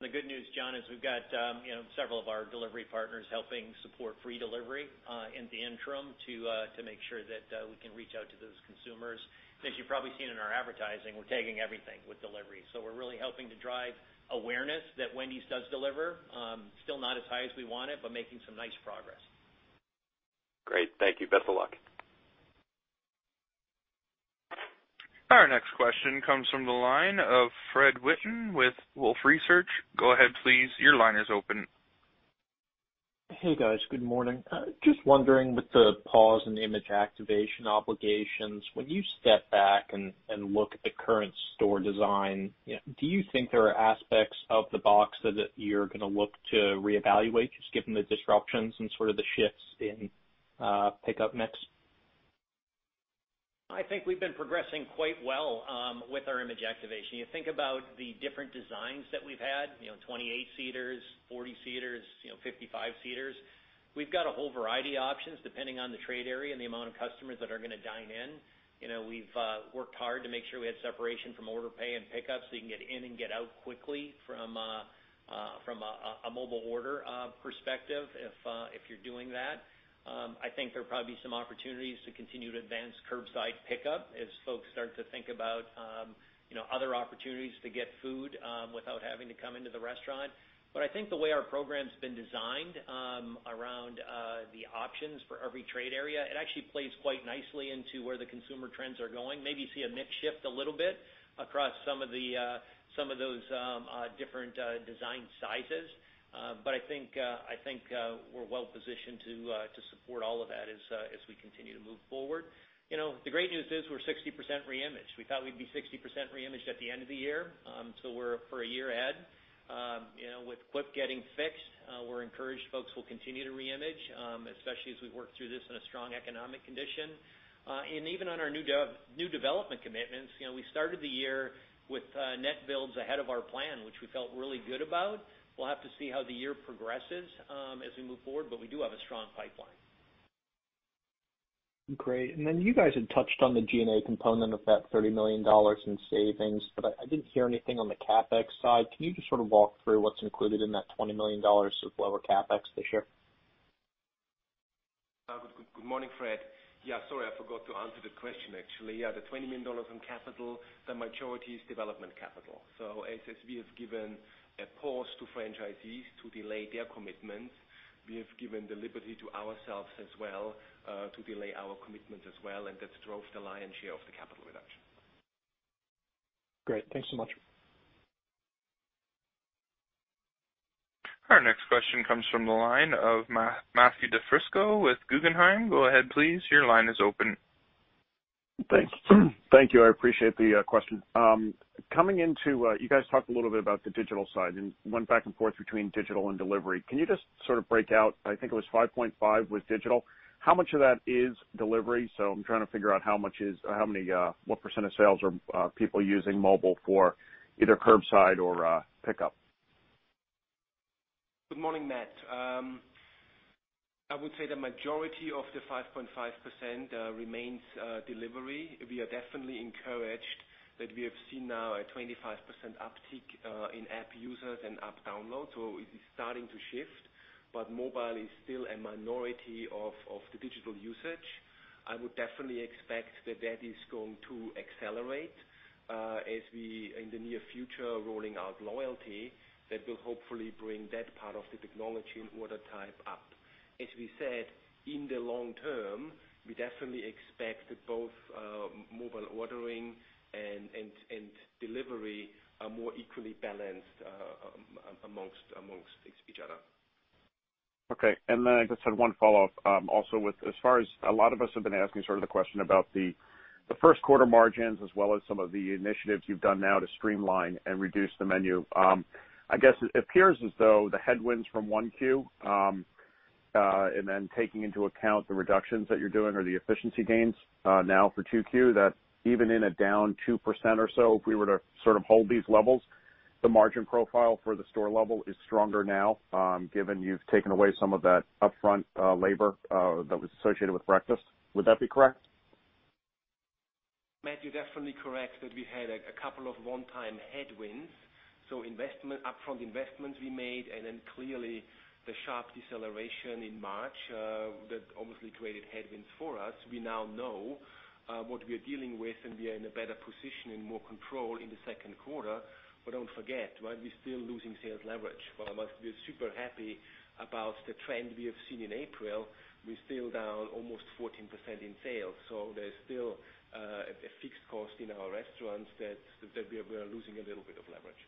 The good news, Jon, is we've got several of our delivery partners helping support free delivery in the interim to make sure that we can reach out to those consumers. As you've probably seen in our advertising, we're tagging everything with delivery. We're really helping to drive awareness that Wendy's does deliver. Still not as high as we want it, but making some nice progress. Great. Thank you. Best of luck. Our next question comes from the line of Fred Wightman with Wolfe Research. Go ahead, please. Your line is open. Hey, guys. Good morning. Just wondering with the pause in Image Activation obligations, when you step back and look at the current store design, do you think there are aspects of the box that you're going to look to reevaluate, just given the disruptions and sort of the shifts in pickup mix? I think we've been progressing quite well with our Image Activation. You think about the different designs that we've had, 28 seaters, 40 seaters, 55 seaters. We've got a whole variety options depending on the trade area and the amount of customers that are going to dine in. We've worked hard to make sure we had separation from order pay and pickup, so you can get in and get out quickly from a mobile order perspective if you're doing that. I think there will probably be some opportunities to continue to advance curbside pickup as folks start to think about other opportunities to get food without having to come into the restaurant. I think the way our program's been designed around the options for every trade area, it actually plays quite nicely into where the consumer trends are going. Maybe see a mix shift a little bit across some of those different design sizes. I think we're well positioned to support all of that as we continue to move forward. The great news is we're 60% reimaged. We thought we'd be 60% reimaged at the end of the year. We're a year ahead. With QIP getting fixed, we're encouraged folks will continue to reimage, especially as we work through this in a strong economic condition. Even on our new development commitments, we started the year with net builds ahead of our plan, which we felt really good about. We'll have to see how the year progresses as we move forward, but we do have a strong pipeline. Great. You guys had touched on the G&A component of that $30 million in savings, but I didn't hear anything on the CapEx side. Can you just sort of walk through what's included in that $20 million of lower CapEx this year? Good morning, Fred. Yeah, sorry, I forgot to answer the question, actually. Yeah, the $20 million in capital, the majority is development capital. As we have given a pause to franchisees to delay their commitments, we have given the liberty to ourselves as well to delay our commitments as well, and that drove the lion's share of the capital reduction. Great. Thanks so much. Our next question comes from the line of Matthew DiFrisco with Guggenheim. Go ahead, please. Your line is open. Thanks. Thank you. I appreciate the question. You guys talked a little bit about the digital side and went back and forth between digital and delivery. Can you just sort of break out, I think it was 5.5 with digital. How much of that is delivery? I'm trying to figure out what percent of sales are people using mobile for either curbside or pickup. Good morning, Matt. I would say the majority of the 5.5% remains delivery. We are definitely encouraged that we have seen now a 25% uptick in app users and app downloads. It is starting to shift, but mobile is still a minority of the digital usage. I would definitely expect that is going to accelerate as we, in the near future, are rolling out loyalty that will hopefully bring that part of the technology and order type up. As we said, in the long term, we definitely expect that both mobile ordering and delivery are more equally balanced amongst each other. Okay. I just had one follow-up. Also, a lot of us have been asking the question about the first quarter margins as well as some of the initiatives you've done now to streamline and reduce the menu. I guess it appears as though the headwinds from 1Q, and then taking into account the reductions that you're doing or the efficiency gains now for 2Q, that even in a down 2% or so, if we were to hold these levels, the margin profile for the store level is stronger now, given you've taken away some of that upfront labor that was associated with breakfast. Would that be correct? Matt, you're definitely correct that we had a couple of one-time headwinds. Upfront investments we made, and then clearly the sharp deceleration in March, that obviously created headwinds for us. We now know what we are dealing with, and we are in a better position and more control in the second quarter. Don't forget, while we're still losing sales leverage, while we are super happy about the trend we have seen in April, we're still down almost 14% in sales. There's still a fixed cost in our restaurants that we are losing a little bit of leverage.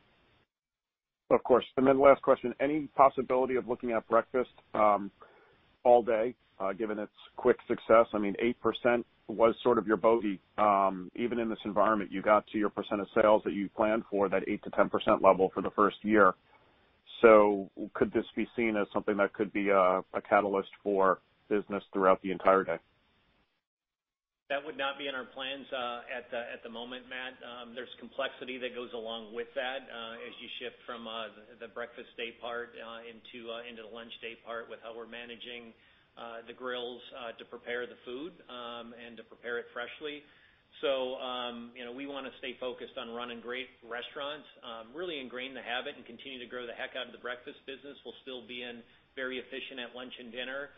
Of course. Last question, any possibility of looking at breakfast all day, given its quick success? I mean, 8% was sort of your bogey. Even in this environment, you got to your percent of sales that you planned for, that 8%-10% level for the first year. Could this be seen as something that could be a catalyst for business throughout the entire day? That would not be in our plans at the moment, Matt. There's complexity that goes along with that as you shift from the breakfast day part into the lunch day part with how we're managing the grills to prepare the food and to prepare it freshly. We want to stay focused on running great restaurants, really ingrain the habit, and continue to grow the heck out of the breakfast business. We'll still be in very efficient at lunch and dinner.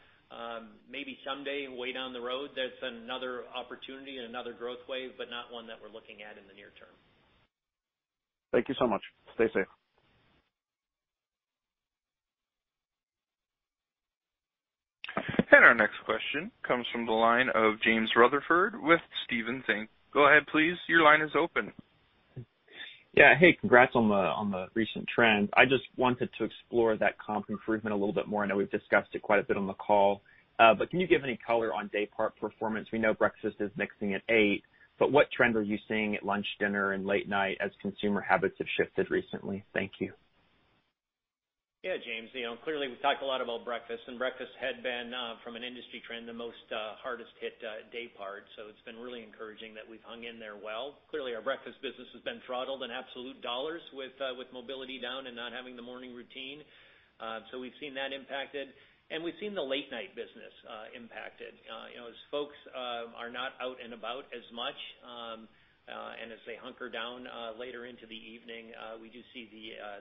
Maybe someday way down the road, that's another opportunity and another growth wave, but not one that we're looking at in the near term. Thank you so much. Stay safe. Our next question comes from the line of James Rutherford with Stephens Inc.. Go ahead, please. Your line is open. Yeah. Hey, congrats on the recent trends. I just wanted to explore that comp improvement a little bit more. I know we've discussed it quite a bit on the call. Can you give any color on day part performance? We know breakfast is mixing at eight. What trend are you seeing at lunch, dinner, and late night as consumer habits have shifted recently? Thank you. Yeah, James. Clearly, we've talked a lot about breakfast, and breakfast had been, from an industry trend, the most hardest hit day part. It's been really encouraging that we've hung in there well. Clearly, our breakfast business has been throttled in absolute dollars with mobility down and not having the morning routine. We've seen that impacted, and we've seen the late-night business impacted. As folks are not out and about as much, and as they hunker down later into the evening, we do see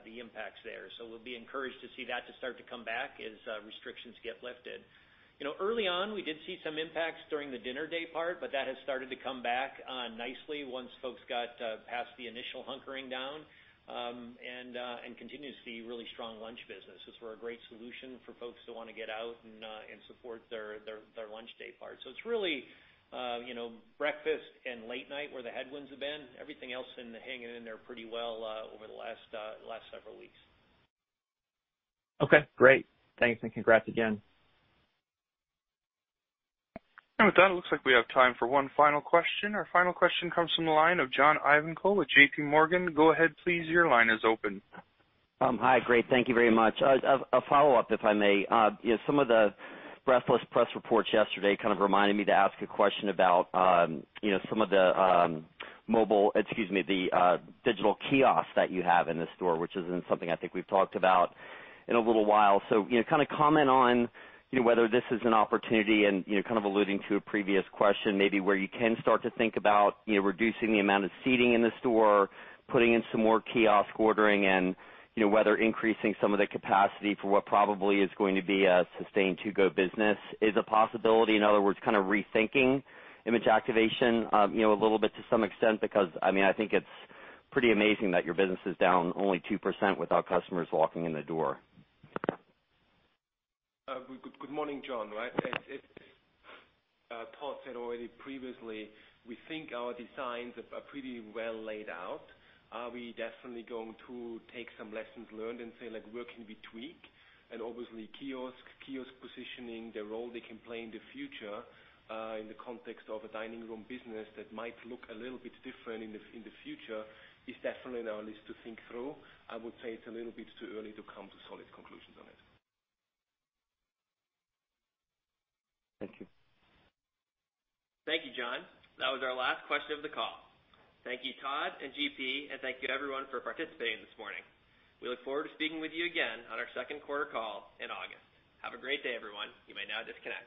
the impacts there. We'll be encouraged to see that to start to come back as restrictions get lifted. Early on, we did see some impacts during the dinner day part, but that has started to come back nicely once folks got past the initial hunkering down, and continue to see really strong lunch business. Those were a great solution for folks to want to get out and support their lunch day part. It's really breakfast and late night where the headwinds have been. Everything else hanging in there pretty well over the last several weeks. Okay, great. Thanks, and congrats again. With that, it looks like we have time for one final question. Our final question comes from the line of John Ivankoe with JPMorgan. Go ahead, please. Your line is open. Hi. Great. Thank you very much. A follow-up, if I may. Some of the breathless press reports yesterday kind of reminded me to ask a question about some of the mobile-- excuse me, the digital kiosks that you have in the store, which isn't something I think we've talked about in a little while. Comment on whether this is an opportunity and alluding to a previous question, maybe where you can start to think about reducing the amount of seating in the store, putting in some more kiosk ordering, and whether increasing some of the capacity for what probably is going to be a sustained to-go business is a possibility. In other words, rethinking Image Activation a little bit to some extent, because I think it's pretty amazing that your business is down only 2% without customers walking in the door? Good morning, John. As Todd said already previously, we think our designs are pretty well laid out. We definitely going to take some lessons learned and say, like, where can we tweak. Obviously, kiosk positioning, the role they can play in the future in the context of a dining room business that might look a little bit different in the future is definitely on our list to think through. I would say it's a little bit too early to come to solid conclusions on it. Thank you. Thank you, John. That was our last question of the call. Thank you, Todd and GP, and thank you everyone for participating this morning. We look forward to speaking with you again on our second quarter call in August. Have a great day, everyone. You may now disconnect.